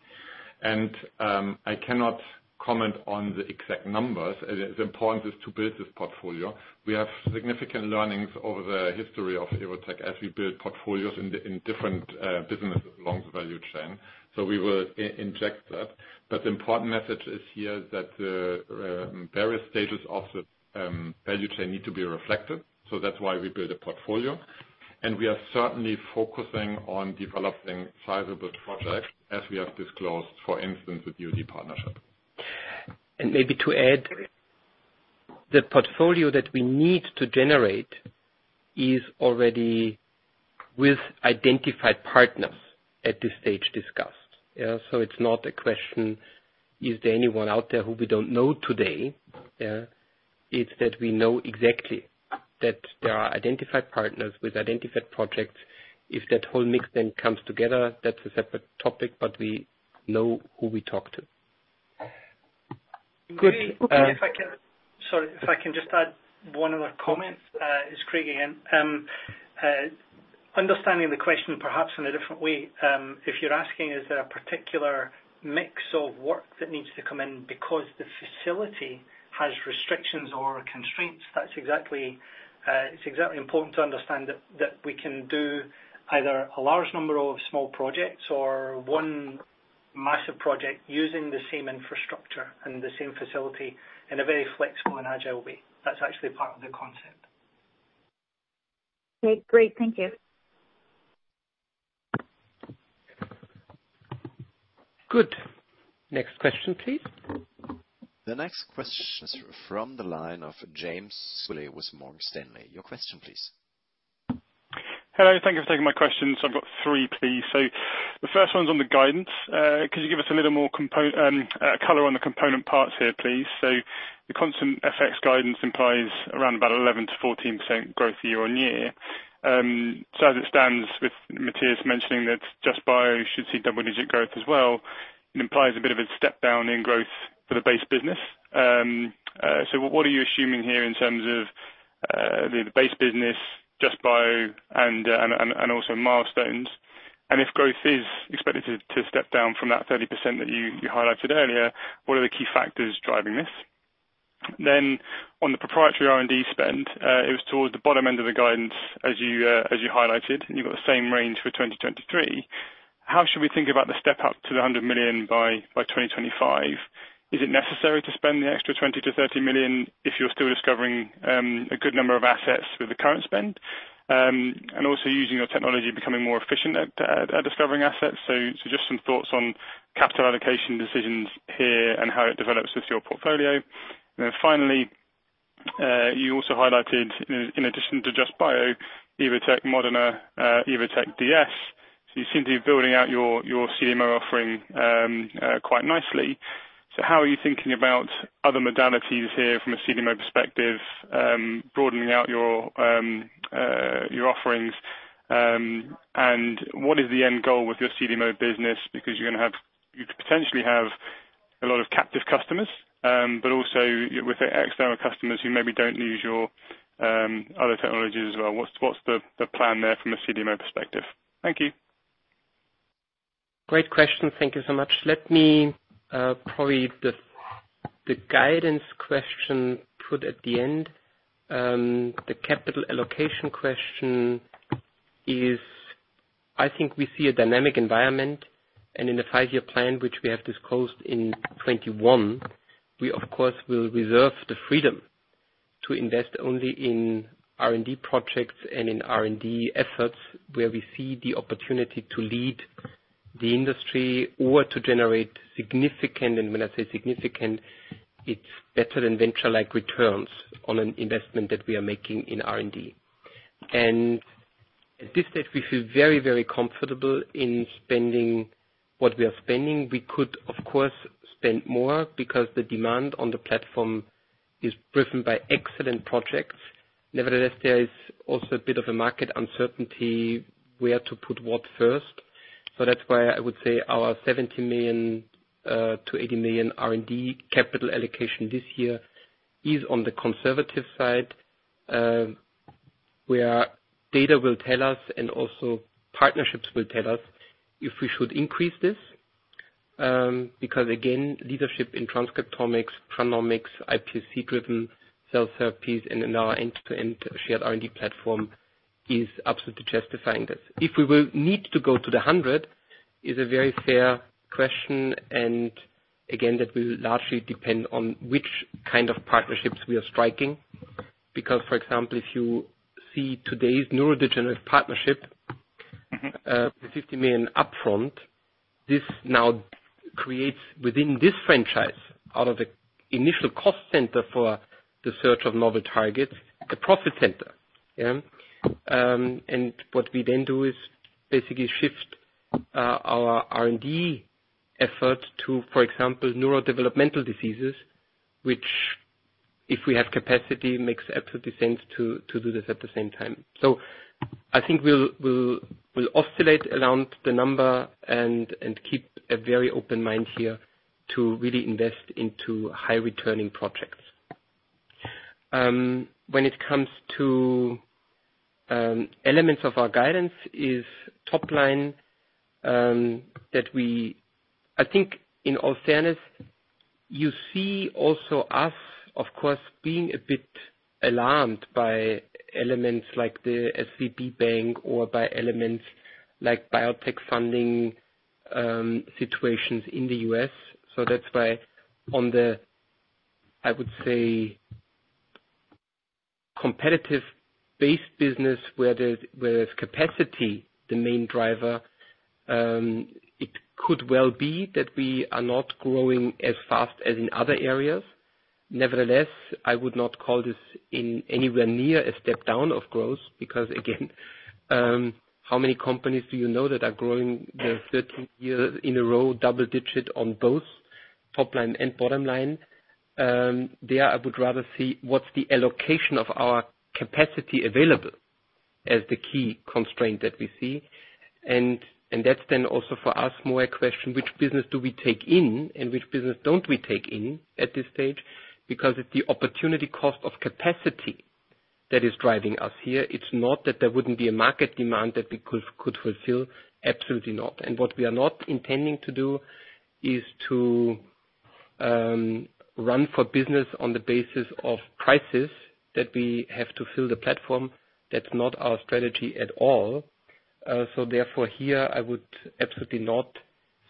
I cannot comment on the exact numbers, as important is to build this portfolio. We have significant learnings over the history of Evotec as we build portfolios in the, in different businesses along the value chain. We will inject that. The important message is here that various stages of the value chain need to be reflected. That's why we build a portfolio, and we are certainly focusing on developing sizable projects as we have disclosed, for instance, with DoD partnership. Maybe to add, the portfolio that we need to generate is already with identified partners at this stage discussed. It's not a question, is there anyone out there who we don't know today? It's that we know exactly that there are identified partners with identified projects. If that whole mix comes together, that's a separate topic, but we know who we talk to. Good. Okay. If I can, sorry, if I can just add one other comment. It's Craig again. Understanding the question perhaps in a different way, if you're asking is there a particular mix of work that needs to come in because the facility has restrictions or? Constraints. It's exactly important to understand that we can do either a large number of small projects or one massive project using the same infrastructure and the same facility in a very flexible and agile way. That's actually part of the concept. Okay, great. Thank you. Good. Next question, please. The next question is from the line of James Quigley with Morgan Stanley. Your question please. Hello, thank you for taking my questions. I've got three, please. The first one's on the guidance. Could you give us a little more color on the component parts here, please. The constant FX guidance implies around about 11%-14% growth year on year. As it stands with Matthias mentioning that Just - Evotec Biologics should see double-digit growth as well, it implies a bit of a step down in growth for the base business. What are you assuming here in terms of the base business, Just - Evotec Biologics and also milestones? If growth is expected to step down from that 30% that you highlighted earlier, what are the key factors driving this? On the proprietary R&D spend, it was towards the bottom end of the guidance as you, as you highlighted, and you've got the same range for 2023. How should we think about the step up to the 100 million by 2025? Is it necessary to spend the extra 20 million-30 million if you're still discovering a good number of assets with the current spend and also using your technology becoming more efficient at discovering assets? Just some thoughts on capital allocation decisions here and how it develops with your portfolio. Finally, you also highlighted in addition to Just – Evotec Biologics, Evotec Modena, Evotec DS. You seem to be building out your CDMO offering quite nicely. How are you thinking about other modalities here from a CDMO perspective, broadening out your offerings, what is the end goal with your CDMO business? You could potentially have a lot of captive customers, also with the external customers who maybe don't use your other technologies as well. What's the plan there from a CDMO perspective? Thank you. Great question. Thank you so much. Let me probably the guidance question put at the end. The capital allocation question is, I think we see a dynamic environment. In the five-year plan, which we have disclosed in 2021, we of course will reserve the freedom to invest only in R&D projects and in R&D efforts where we see the opportunity to lead the industry or to generate significant, and when I say significant, it's better than venture-like returns on an investment that we are making in R&D. At this stage, we feel very, very comfortable in spending what we are spending. We could, of course, spend more because the demand on the platform is driven by excellent projects. Nevertheless, there is also a bit of a market uncertainty where to put what first. That's why I would say our 70 million-80 million R&D capital allocation this year is on the conservative side, where data will tell us and also partnerships will tell us if we should increase this, because again, leadership in transcriptomics, PanOmics, iPSC-driven cell therapies and in our end-to-end shared R&D platform is absolutely justifying this. If we will need to go to the 100 million is a very fair question, and again, that will largely depend on which kind of partnerships we are striking. For example, if you see today's neurodegenerative partnership- Mm-hmm. The 50 million upfront, this now creates within this franchise out of the initial cost center for the search of novel targets, a profit center. Yeah. What we then do is basically shift our R&D efforts to, for example, neurodevelopmental diseases, which if we have capacity, makes absolute sense to do this at the same time. I think we'll, we'll oscillate around the number and keep a very open mind here to really invest into high returning projects. When it comes to elements of our guidance is top line. I think in all fairness, you see also us, of course, being a bit alarmed by elements like the SVB or by elements like biotech funding situations in the U.S. That's why on the, I would say, competitive base business where there's, where there's capacity, the main driver, it could well be that we are not growing as fast as in other areas. Nevertheless, I would not call this in anywhere near a step down of growth because again, how many companies do you know that are growing their 13th year in a row double digit on both top line and bottom line? There, I would rather see what's the allocation of our capacity available as the key constraint that we see. That's then also for us more a question, which business do we take in and which business don't we take in at this stage? Because it's the opportunity cost of capacity that is driving us here. It's not that there wouldn't be a market demand that we could fulfill. Absolutely not. What we are not intending to do is to run for business on the basis of prices that we have to fill the platform. That's not our strategy at all. Therefore here I would absolutely not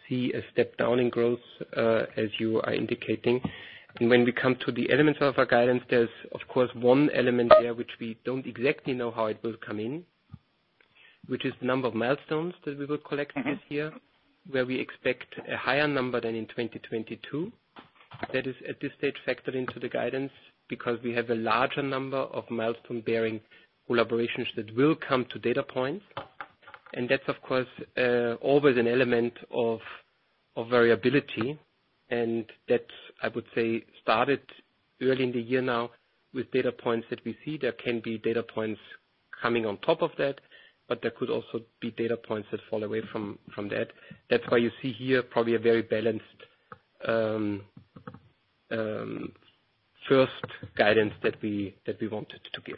see a step down in growth as you are indicating. When we come to the elements of our guidance, there's of course one element there which we don't exactly know how it will come in, which is the number of milestones that we will collect this year, where we expect a higher number than in 2022. That is at this stage factored into the guidance because we have a larger number of milestone-bearing collaborations that will come to data points. That's of course always an element of variability. That, I would say, started early in the year now with data points that we see. There can be data points coming on top of that, but there could also be data points that fall away from that. That's why you see here probably a very balanced, first guidance that we wanted to give.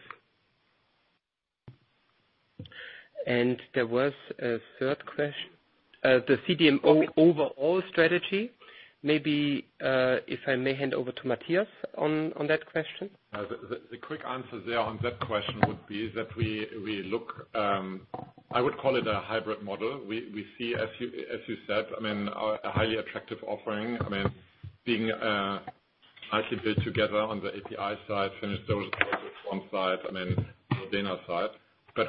There was a third question. The CDMO overall strategy, maybe, if I may hand over to Matthias on that question. The quick answer there on that question would be is that we look, I would call it a hybrid model. We see, as you said, I mean, a highly attractive offering, I mean, being actually built together on the API side, finished dose on one side, I mean, the DS side.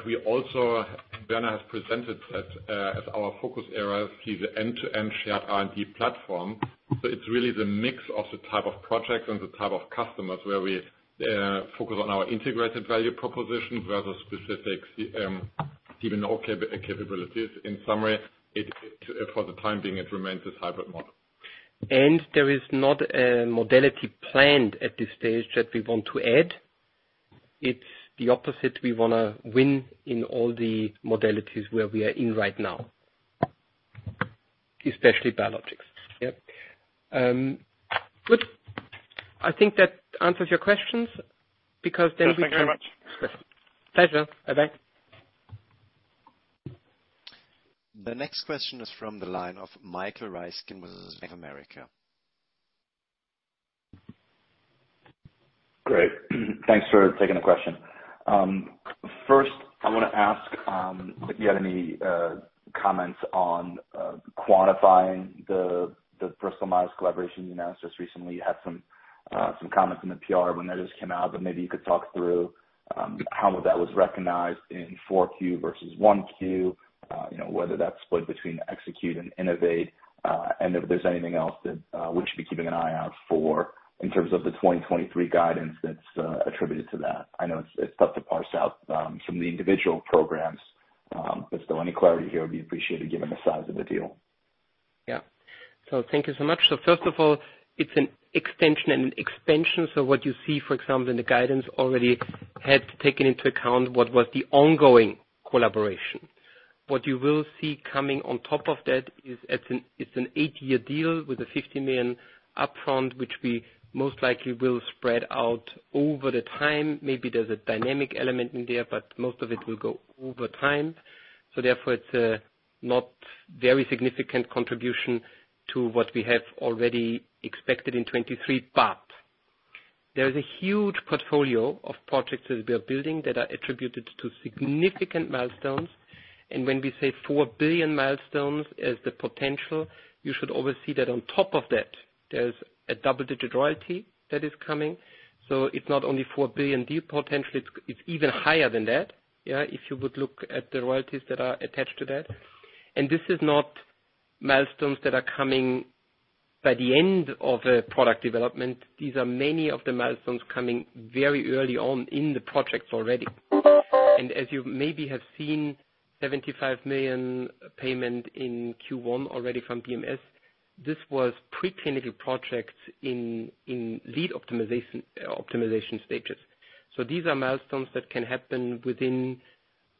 We also Werner has presented that as our focus areas, see the end-to-end shared R&D platform. It's really the mix of the type of projects and the type of customers where we focus on our integrated value proposition rather specific, even though capabilities. In summary, it, for the time being, it remains this hybrid model. There is not a modality planned at this stage that we want to add. It's the opposite. We wanna win in all the modalities where we are in right now, especially biologics. Yep. Good. I think that answers your questions. Yes, thank you very much. Pleasure. Bye-bye. The next question is from the line of Michael Ryskin with Bank of America. Great. Thanks for taking the question. First I wanna ask if you had any comments on quantifying the Bristol Myers collaboration you announced just recently. You had some comments in the PR when that just came out, but maybe you could talk through how that was recognized in 4Q versus 1Q, you know, whether that's split between execute and innovate. And if there's anything else that we should be keeping an eye out for in terms of the 2023 guidance that's attributed to that. I know it's tough to parse out some of the individual programs, but still any clarity here would be appreciated given the size of the deal. Thank you so much. First of all, it's an extension and an expansion. What you see, for example, in the guidance already had taken into account what was the ongoing collaboration. What you will see coming on top of that is it's an eight-year deal with a 50 million upfront, which we most likely will spread out over the time. Maybe there's a dynamic element in there, but most of it will go over time. Therefore, it's not very significant contribution to what we have already expected in 2023. There is a huge portfolio of projects that we are building that are attributed to significant milestones. When we say 4 billion milestones as the potential, you should always see that on top of that there's a double-digit royalty that is coming. It's not only 4 billion deal potential, it's even higher than that, yeah, if you would look at the royalties that are attached to that. This is not milestones that are coming by the end of a product development. These are many of the milestones coming very early on in the projects already. As you maybe have seen, 75 million payment in Q1 already from BMS, this was preclinical projects in lead optimization stages. These are milestones that can happen within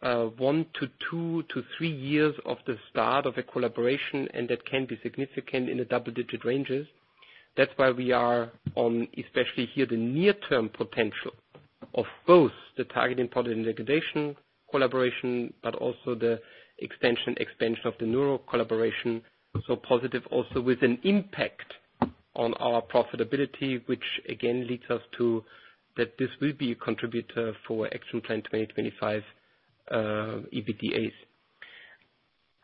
one to two to three years of the start of a collaboration, and that can be significant in the double-digit ranges. That's why we are on, especially here, the near-term potential of both the targeted protein degradation collaboration, but also the extension, expansion of the neuro collaboration. Positive also with an impact on our profitability, which again leads us to that this will be a contributor for Action Plan 2025 EBITDA.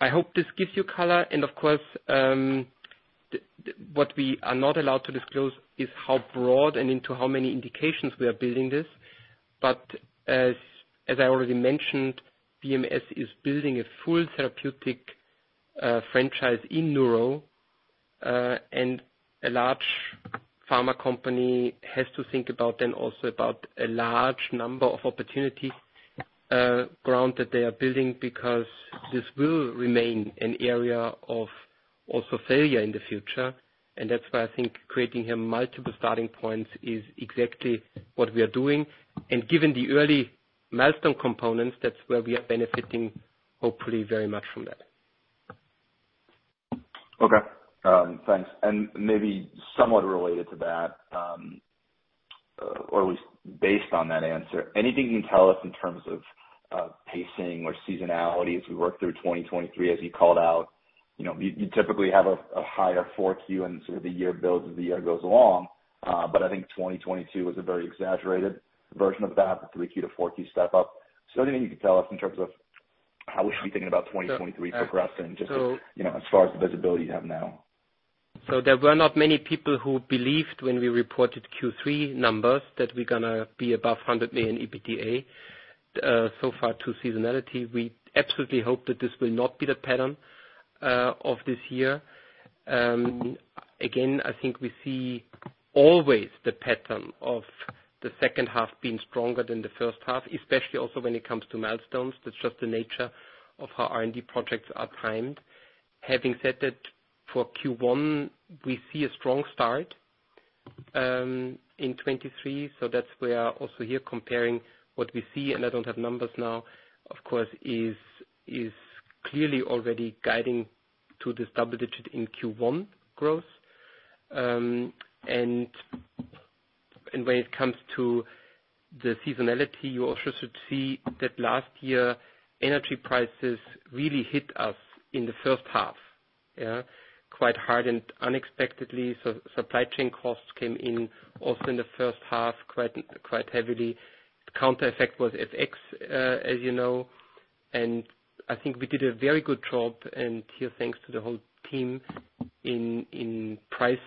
I hope this gives you color. Of course, what we are not allowed to disclose is how broad and into how many indications we are building this. As I already mentioned, BMS is building a full therapeutic franchise in neuro and a large pharma company has to think about then also about a large number of opportunities ground that they are building because this will remain an area of also failure in the future. That's why I think creating a multiple starting points is exactly what we are doing. Given the early milestone components, that's where we are benefiting, hopefully very much from that. Okay. Thanks. Maybe somewhat related to that, or at least based on that answer, anything you can tell us in terms of pacing or seasonality as we work through 2023, as you called out. You know, you typically have a higher four Q and sort of the year builds as the year goes along. I think 2022 was a very exaggerated version of that, the 3Q to 4Q step up. Anything you can tell us in terms of how we should be thinking about 2023 progressing, just, you know, as far as the visibility you have now. There were not many people who believed when we reported Q3 numbers that we're gonna be above 100 million EBITDA. So far to seasonality, we absolutely hope that this will not be the pattern of this year. Again, I think we see always the pattern of the second half being stronger than the first half, especially also when it comes to milestones. That's just the nature of how R&D projects are timed. Having said that, for Q1, we see a strong start in 2023. That's where also here comparing what we see, and I don't have numbers now, of course, is clearly already guiding to this double-digit in Q1 growth. And when it comes to the seasonality, you also should see that last year, energy prices really hit us in the first half, yeah, quite hard and unexpectedly. Supply chain costs came in also in the first half, quite heavily. The counter effect was FX, as you know, and I think we did a very good job, and here, thanks to the whole team in price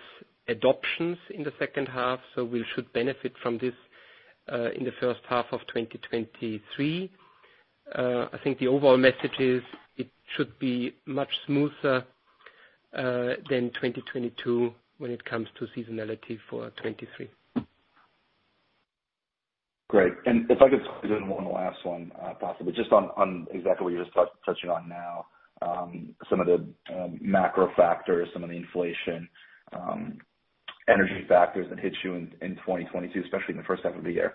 adoptions in the second half. We should benefit from this in the first half of 2023. I think the overall message is it should be much smoother than 2022 when it comes to seasonality for 2023. Great. If I could zoom in one last one, possibly just on exactly what you're touching on now, some of the macro factors, some of the inflation, energy factors that hit you in 2022, especially in the first half of the year.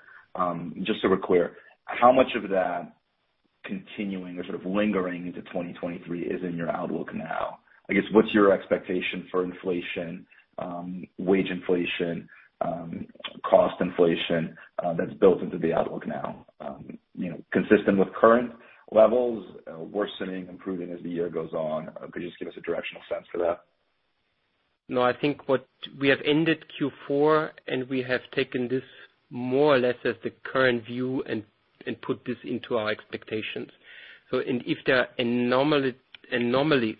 Just so we're clear, how much of that continuing or sort of lingering into 2023 is in your outlook now? I guess, what's your expectation for inflation, wage inflation, cost inflation that's built into the outlook now, you know, consistent with current levels, worsening, improving as the year goes on. Could you just give us a directional sense for that? No, I think what we have ended Q4, and we have taken this more or less as the current view and put this into our expectations. If there are anomalies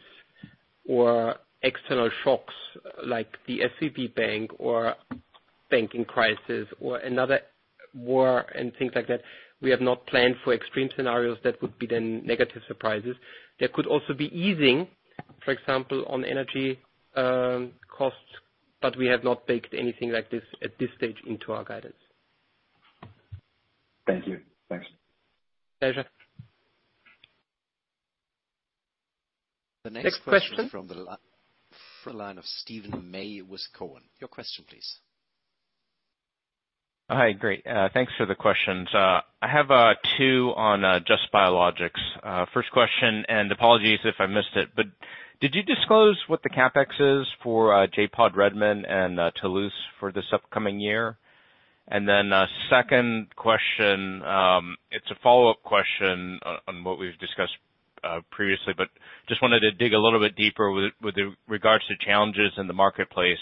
or external shocks like the SVB Bank or banking crisis or another war and things like that, we have not planned for extreme scenarios that would be then negative surprises. There could also be easing, for example, on energy costs. We have not baked anything like this at this stage into our guidance. Thank you. Thanks. Pleasure. The next question from the line of Steven Mah with Cowen. Your question, please. Hi. Great. Thanks for the questions. I have two on Just – Evotec Biologics. First question, apologies if I missed it, but did you disclose what the CapEx is for J.POD Redmond and Toulouse for this upcoming year? Second question, it's a follow-up question on what we've discussed previously, but just wanted to dig a little bit deeper with regards to challenges in the marketplace.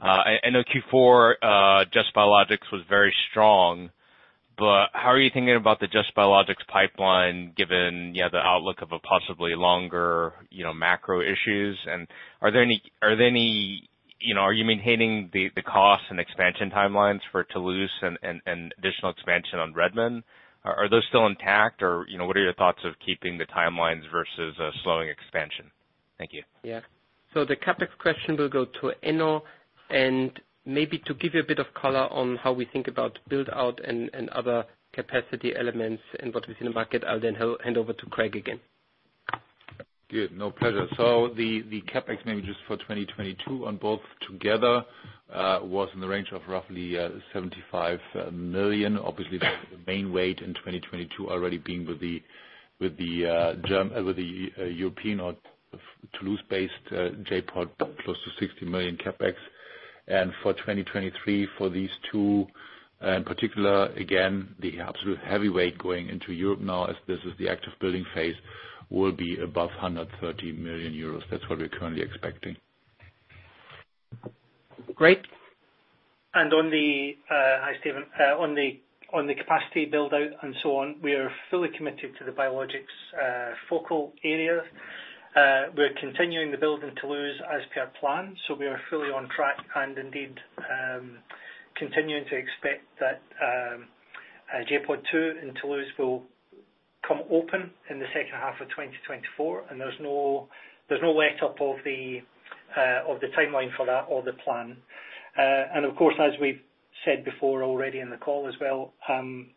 I know Q4, Just – Evotec Biologics was very strong, but how are you thinking about the Just – Evotec Biologics pipeline given, you know, the outlook of a possibly longer, you know, macro issues? Are there any, you know, are you maintaining the costs and expansion timelines for Toulouse and additional expansion on Redmond? Are those still intact or, you know, what are your thoughts of keeping the timelines versus slowing expansion? Thank you. Yeah. The CapEx question will go to Enno, and maybe to give you a bit of color on how we think about build out and other capacity elements and what we see in the market, I'll then hand over to Craig again. No, pleasure. The CapEx maybe just for 2022 on both together, was in the range of roughly 75 million. Obviously, the main weight in 2022 already being with the European or Toulouse-based J.POD, close to 60 million CapEx. For 2023 for these two, in particular, again, the absolute heavyweight going into Europe now as this is the active building phase, will be above 130 million euros. That's what we're currently expecting. Great. On the, hi, Steven, on the capacity build out and so on, we are fully committed to the Biologics focal area. We're continuing the build in Toulouse as per plan, so we are fully on track and indeed, continuing to expect that J.POD 2 in Toulouse will come open in the second half of 2024, and there's no letup of the timeline for that or the plan. Of course, as we've said before already in the call as well, one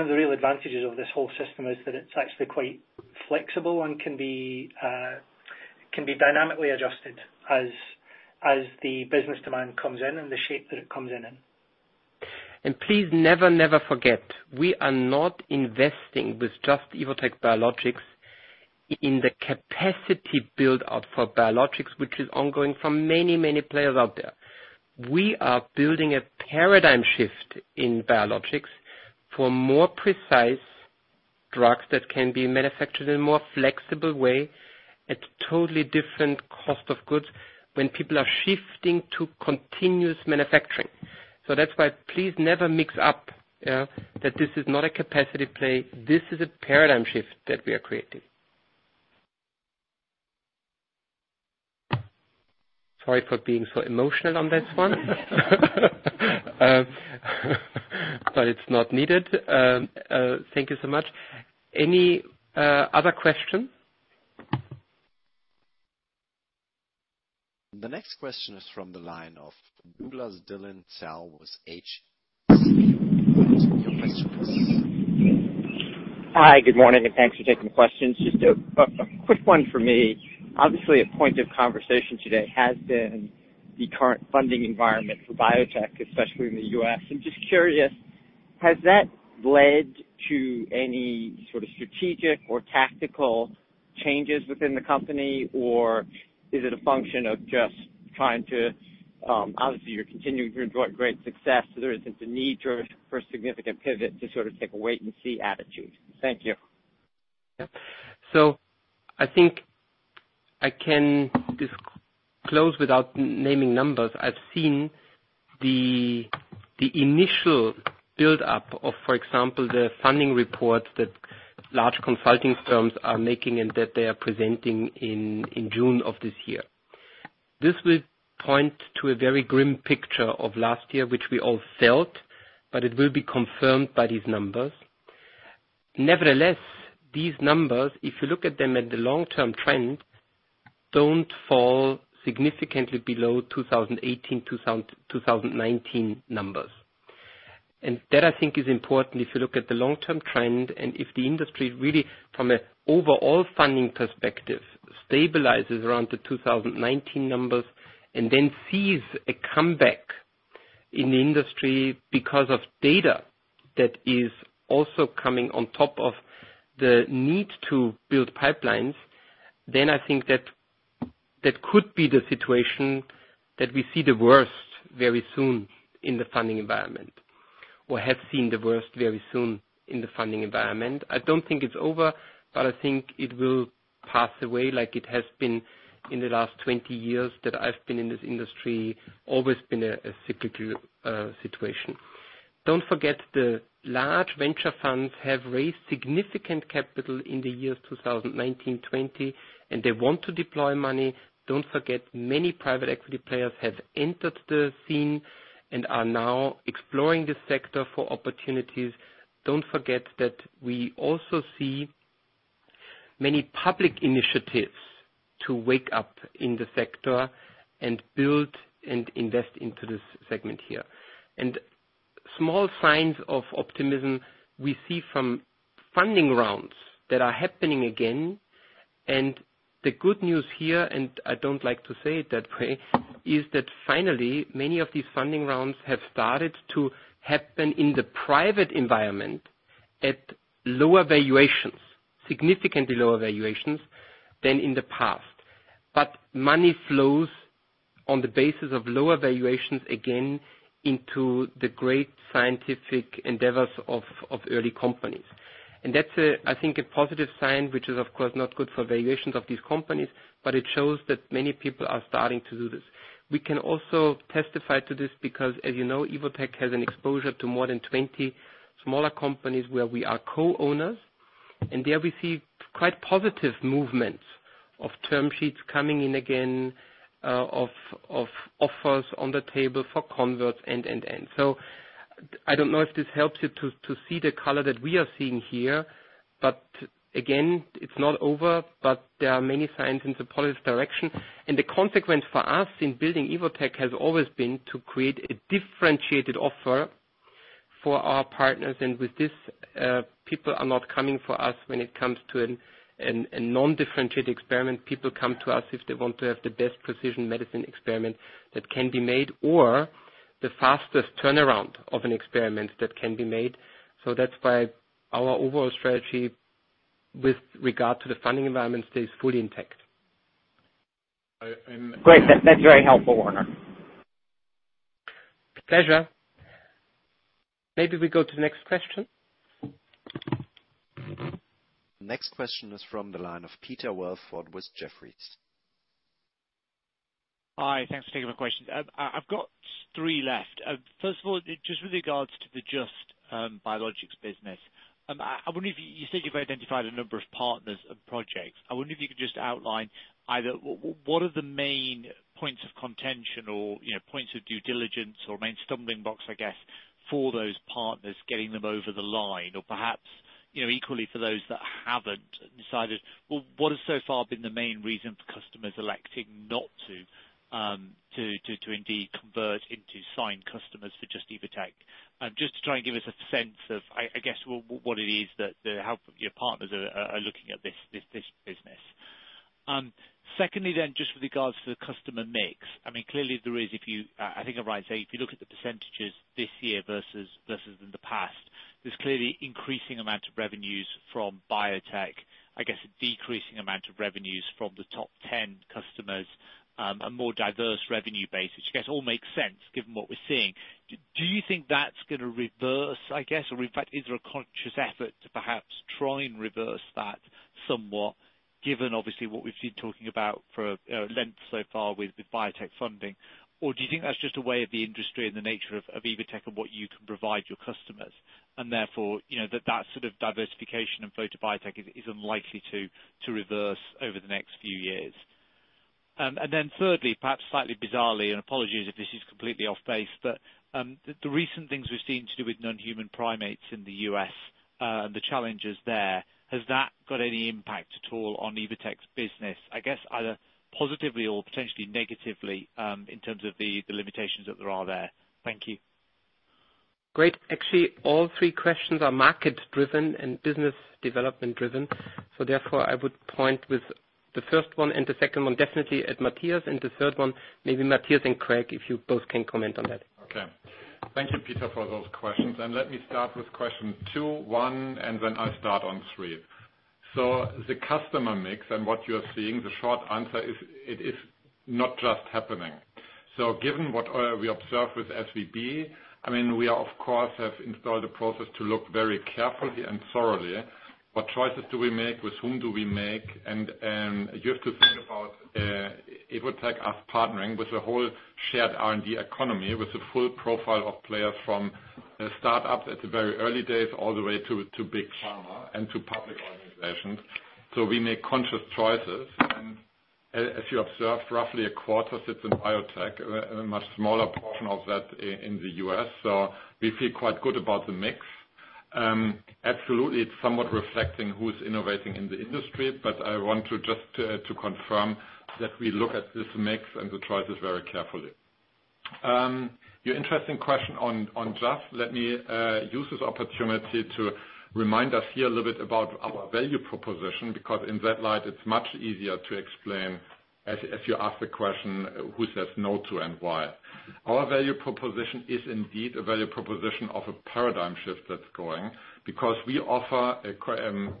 of the real advantages of this whole system is that it's actually quite flexible and can be dynamically adjusted as the business demand comes in and the shape that it comes in in. Please never forget, we are not investing with Just - Evotec Biologics in the capacity build out for biologics, which is ongoing for many, many players out there. We are building a paradigm shift in biologics for more precise drugs that can be manufactured in a more flexible way at totally different cost of goods when people are shifting to continuous manufacturing. That's why please never mix up, yeah, that this is not a capacity play, this is a paradigm shift that we are creating. Sorry for being so emotional on this one. It's not needed. Thank you so much. Any other questions? The next question is from the line of Douglas Tsao with H.C. Wainwright. Your question, please. Hi. Good morning, and thanks for taking the questions. Just a quick one for me. Obviously, a point of conversation today has been the current funding environment for biotech, especially in the U.S. I'm just curious, has that led to any sort of strategic or tactical changes within the company, or is it a function of just trying to, obviously you're continuing to enjoy great success, so there isn't a need for a significant pivot to sort of take a wait and see attitude. Thank you. Yeah. I think I can disclose without naming numbers. I've seen the initial build up of, for example, the funding reports that large consulting firms are making and that they are presenting in June of this year. This will point to a very grim picture of last year, which we all felt, but it will be confirmed by these numbers. Nevertheless, these numbers, if you look at them at the long-term trend, don't fall significantly below 2018, 2019 numbers. That I think is important if you look at the long-term trend and if the industry really from an overall funding perspective stabilizes around the 2019 numbers and then sees a comeback in the industry because of data that is also coming on top of the need to build pipelines, then I think that that could be the situation that we see the worst very soon in the funding environment, or have seen the worst very soon in the funding environment. I don't think it's over, but I think it will pass away like it has been in the last 20 years that I've been in this industry, always been a cyclical situation. Don't forget the large venture funds have raised significant capital in the years 2019, 2020, and they want to deploy money. Don't forget many private equity players have entered the scene and are now exploring this sector for opportunities. Don't forget that we also see many public initiatives to wake up in the sector and build and invest into this segment here. Small signs of optimism we see from funding rounds that are happening again. The good news here, and I don't like to say it that way, is that finally, many of these funding rounds have started to happen in the private environment at lower valuations, significantly lower valuations than in the past. Money flows on the basis of lower valuations again into the great scientific endeavors of early companies. That's a, I think, a positive sign, which is of course not good for valuations of these companies, but it shows that many people are starting to do this. We can also testify to this because, as you know, Evotec has an exposure to more than 20 smaller companies where we are co-owners, and there we see quite positive movements of term sheets coming in again, of offers on the table for converts, and. I don't know if this helps you to see the color that we are seeing here. Again, it's not over, but there are many signs in the positive direction. The consequence for us in building Evotec has always been to create a differentiated offer for our partners. With this, people are not coming for us when it comes to a non-differentiated experiment. People come to us if they want to have the best precision medicine experiment that can be made or the fastest turnaround of an experiment that can be made. That's why our overall strategy with regard to the funding environment stays fully intact. Great. That's very helpful, Werner. Pleasure. Maybe we go to the next question. Next question is from the line of Peter Welford with Jefferies. Hi. Thanks for taking my question. I've got three left. First of all, just with regards to the Just – Evotec Biologics business, I wonder if you said you've identified a number of partners and projects. I wonder if you could just outline either what are the main points of contention or, you know, points of due diligence or main stumbling blocks, I guess, for those partners getting them over the line? Perhaps, you know, equally for those that haven't decided, well, what has so far been the main reason for customers electing not to indeed convert into signed customers for Just – Evotec Biologics? Just to try and give us a sense of, I guess what it is that, how your partners are looking at this business. Secondly, just with regards to the customer mix, I mean, clearly there is if you, I think I'm right in saying, if you look at the percentages this year versus in the past, there's clearly increasing amount of revenues from biotech, I guess, a decreasing amount of revenues from the top 10 customers, a more diverse revenue base. Which I guess all makes sense given what we're seeing. Do you think that's gonna reverse, I guess? Or in fact, is there a conscious effort to perhaps try and reverse that somewhat, given obviously what we've been talking about for length so far with the biotech funding? Do you think that's just a way of the industry and the nature of Evotec and what you can provide your customers, and therefore, you know, that that sort of diversification from biotech is unlikely to reverse over the next few years? And then thirdly, perhaps slightly bizarrely, and apologies if this is completely off base, but the recent things we've seen to do with non-human primates in the U.S. and the challenges there, has that got any impact at all on Evotec's business? I guess either positively or potentially negatively, in terms of the limitations that there are there. Thank you. Great. Actually, all three questions are market-driven and business development-driven. Therefore, I would point with the first one and the second one definitely at Matthias, and the third one, maybe Matthias and Craig, if you both can comment on that. Thank you, Peter, for those questions. Let me start with question two, one, and then I'll start on three. The customer mix and what you're seeing, the short answer is it is not just happening. Given what we observe with SVB, I mean, we are, of course, have installed a process to look very carefully and thoroughly what choices do we make, with whom do we make, and you have to think about Evotec as partnering with a whole shared R&D economy, with a full profile of players from start-ups at the very early days all the way to big pharma and to public organizations. We make conscious choices. As you observed, roughly a quarter sits in biotech, a much smaller portion of that in the U.S. We feel quite good about the mix. Absolutely, it's somewhat reflecting who's innovating in the industry. I want to just confirm that we look at this mix and the choices very carefully. Your interesting question on just let me use this opportunity to remind us here a little bit about our value proposition, because in that light, it's much easier to explain as you ask the question, who says no to and why. Our value proposition is indeed a value proposition of a paradigm shift that's going because we offer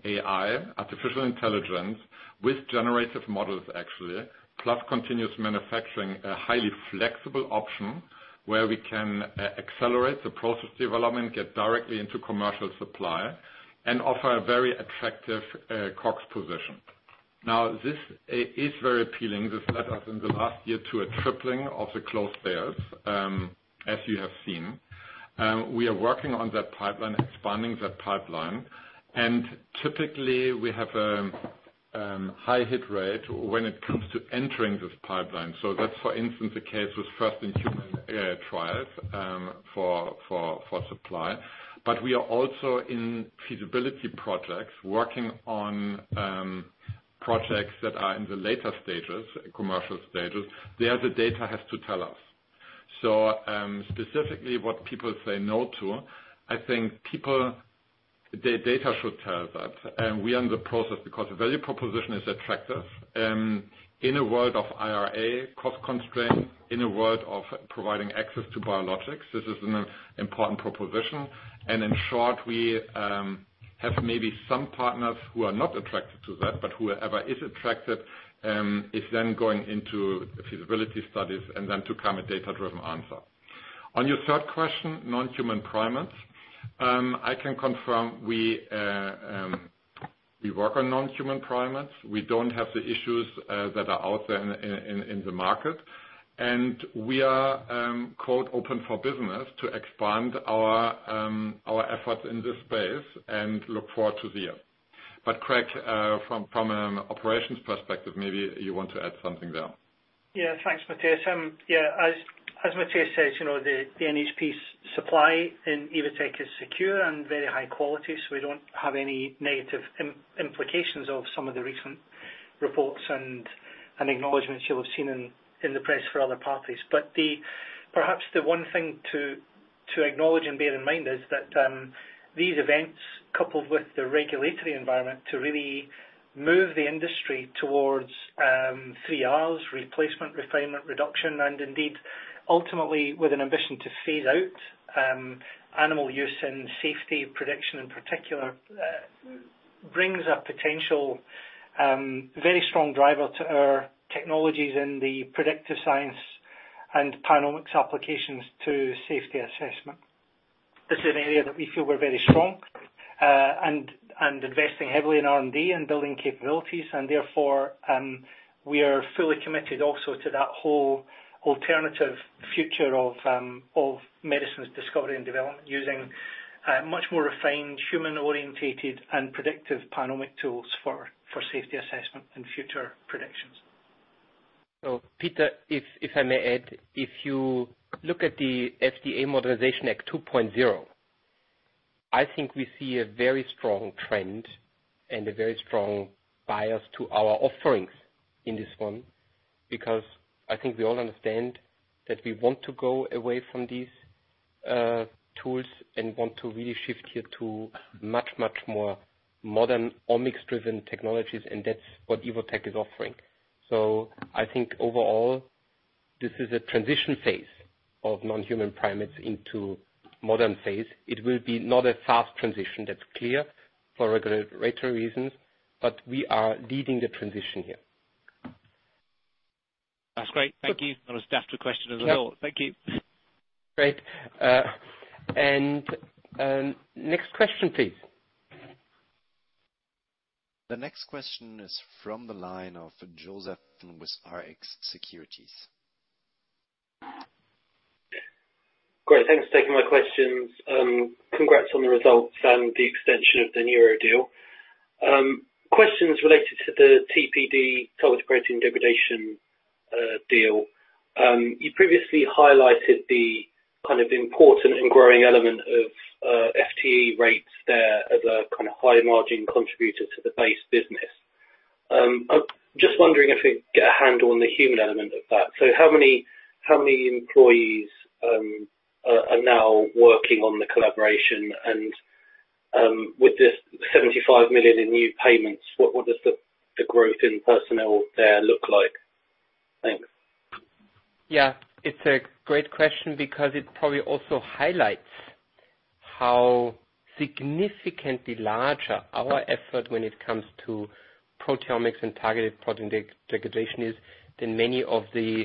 AI, artificial intelligence with generative models, actually, plus continuous manufacturing, a highly flexible option where we can accelerate the process development, get directly into commercial supply and offer a very attractive cost position. This is very appealing. This led us in the last year to a tripling of the closed deals, as you have seen. We are working on that pipeline, expanding that pipeline, and typically, we have high hit rate when it comes to entering this pipeline. That's, for instance, the case with first-in-human trials for supply. We are also in feasibility projects, working on projects that are in the later stages, commercial stages. There, the data has to tell us. Specifically what people say no to, I think data should tell that. We are in the process because the value proposition is attractive, in a world of IRA cost constraints, in a world of providing access to biologics. This is an important proposition. In short, we have maybe some partners who are not attracted to that, but whoever is attracted, is then going into the feasibility studies and then to come a data-driven answer. On your third question, Non-Human Primates, I can confirm we work on Non-Human Primates. We don't have the issues that are out there in the market. We are, quote, "open for business" to expand our efforts in this space and look forward to the year. Craig, from an operations perspective, maybe you want to add something there. Thanks, Matthias. As Matthias said, you know, the NHPs supply in Evotec is secure and very high quality, so we don't have any negative implications of some of the recent reports and acknowledgments you'll have seen in the press for other parties. Perhaps the one thing to acknowledge and bear in mind is that these events, coupled with the regulatory environment to really move the industry towards Three Rs, replacement, refinement, reduction, and indeed, ultimately, with an ambition to phase out animal use and safety prediction in particular, brings a potential very strong driver to our technologies in the predictive science and PanOmics applications to safety assessment. This is an area that we feel we're very strong, and investing heavily in R&D and building capabilities, and therefore, we are fully committed also to that whole alternative future of medicines discovery and development using much more refined, human-orientated and predictive PanOmics tools for safety assessment and future predictions. Peter, if I may add, if you look at the FDA Modernization Act 2.0, I think we see a very strong trend and a very strong bias to our offerings in this one, because I think we all understand that we want to go away from these tools and want to really shift here to much, much more modern Omics-driven technologies, and that's what Evotec is offering. I think overall, this is a transition phase of non-human primates into modern phase. It will be not a fast transition, that's clear, for regulatory reasons, but we are leading the transition here. That's great. Thank you. Not as daft a question as I thought. Thank you. Great. Next question, please. The next question is from the line of Joseph Hedden with Rx Securities. Great. Thanks for taking my questions. Congrats on the results and the extension of the Neuro deal. Questions related to the TPD, targeted protein degradation, deal. You previously highlighted the kind of important and growing element of FTE rates there as a kind of high margin contributor to the base business. I'm just wondering if we can get a handle on the human element of that. So how many employees are now working on the collaboration? With this 75 million in new payments, what does the growth in personnel there look like? Thanks. Yeah. It's a great question because it probably also highlights how significantly larger our effort when it comes to proteomics and targeted protein degradation is than many of the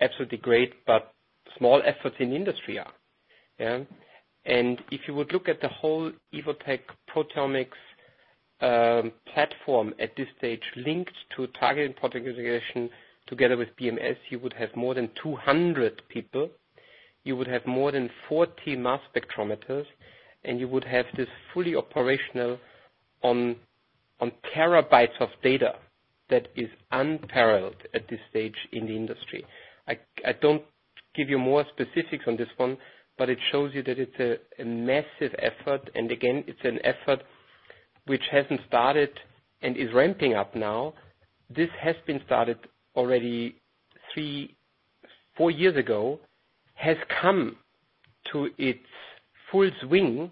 absolutely great but small efforts in industry are. Yeah. If you would look at the whole Evotec proteomics platform at this stage linked to targeted protein degradation together with BMS, you would have more than 200 people. You would have more than 40 mass spectrometers, and you would have this fully operational on terabytes of data that is unparalleled at this stage in the industry. I don't give you more specifics on this one, but it shows you that it's a massive effort. Again, it's an effort which hasn't started and is ramping up now. This has been started already three, four years ago, has come to its full swing,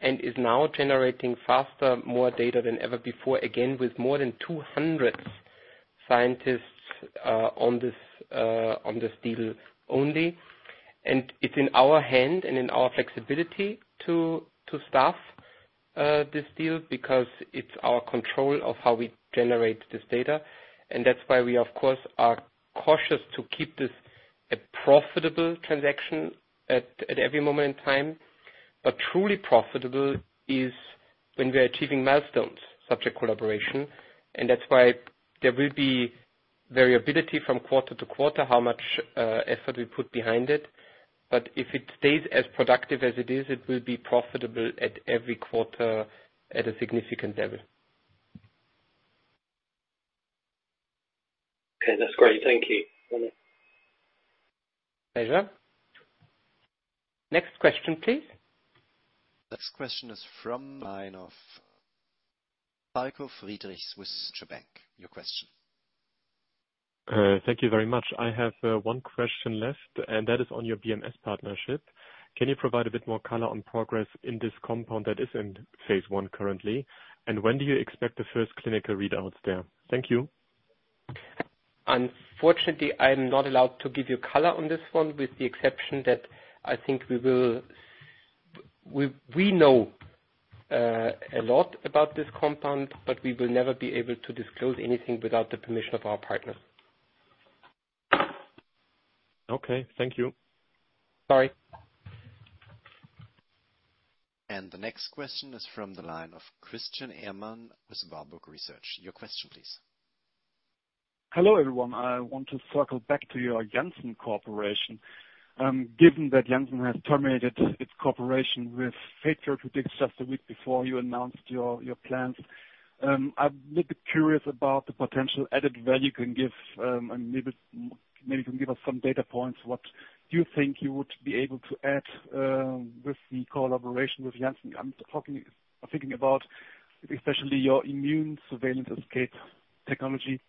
is now generating faster, more data than ever before, again, with more than 200 scientists on this on this deal only. It's in our hand and in our flexibility to staff this deal because it's our control of how we generate this data. That's why we, of course, are cautious to keep this a profitable transaction at every moment in time. Truly profitable is when we are achieving milestones, such a collaboration, that's why there will be variability from quarter to quarter, how much effort we put behind it. If it stays as productive as it is, it will be profitable at every quarter at a significant level. Okay, that's great. Thank you. Pleasure. Next question, please. Next question is from line of Falko Friedrichs with Deutsche Bank. Your question. Thank you very much. I have one question left, and that is on your BMS partnership. Can you provide a bit more color on progress in this compound that is in phase one currently? When do you expect the first clinical readouts there? Thank you. Unfortunately, I'm not allowed to give you color on this one, with the exception that I think we know a lot about this compound. We will never be able to disclose anything without the permission of our partner. Okay. Thank you. Sorry. The next question is from the line of Christian Ehmann with Warburg Research. Your question, please. Hello, everyone. I want to circle back to your Janssen cooperation. Given that Janssen has terminated its cooperation with Fate Therapeutics just a week before you announced your plans, I'm a little bit curious about the potential added value can give, and maybe can give us some data points what you think you would be able to add with the collaboration with Janssen. I'm thinking about especially your immune surveillance escape technology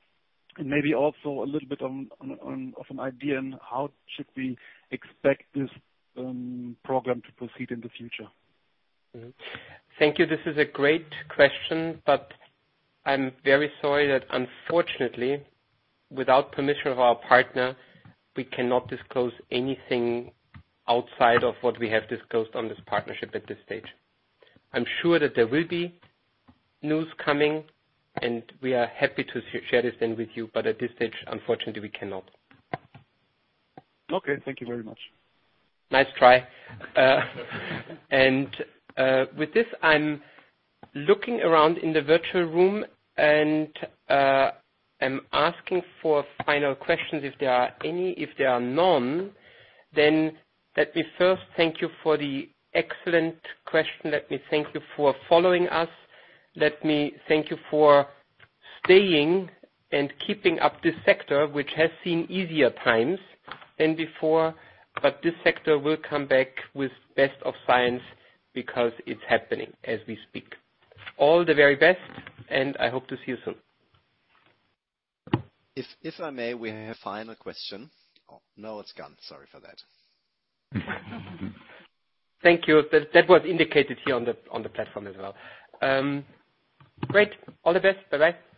and maybe also a little bit on an idea on how should we expect this program to proceed in the future. Thank you. This is a great question, but I'm very sorry that unfortunately, without permission of our partner, we cannot disclose anything outside of what we have disclosed on this partnership at this stage. I'm sure that there will be news coming, and we are happy to share this then with you, but at this stage, unfortunately, we cannot. Okay, thank you very much. Nice try. With this, I'm looking around in the virtual room and I'm asking for final questions if there are any. If there are none, then let me first thank you for the excellent question. Let me thank you for following us. Let me thank you for staying and keeping up this sector, which has seen easier times than before, but this sector will come back with best of science because it's happening as we speak. All the very best, and I hope to see you soon. If I may, we have final question. Oh, no, it's gone. Sorry for that. Thank you. That was indicated here on the platform as well. Great. All the best. Bye-bye.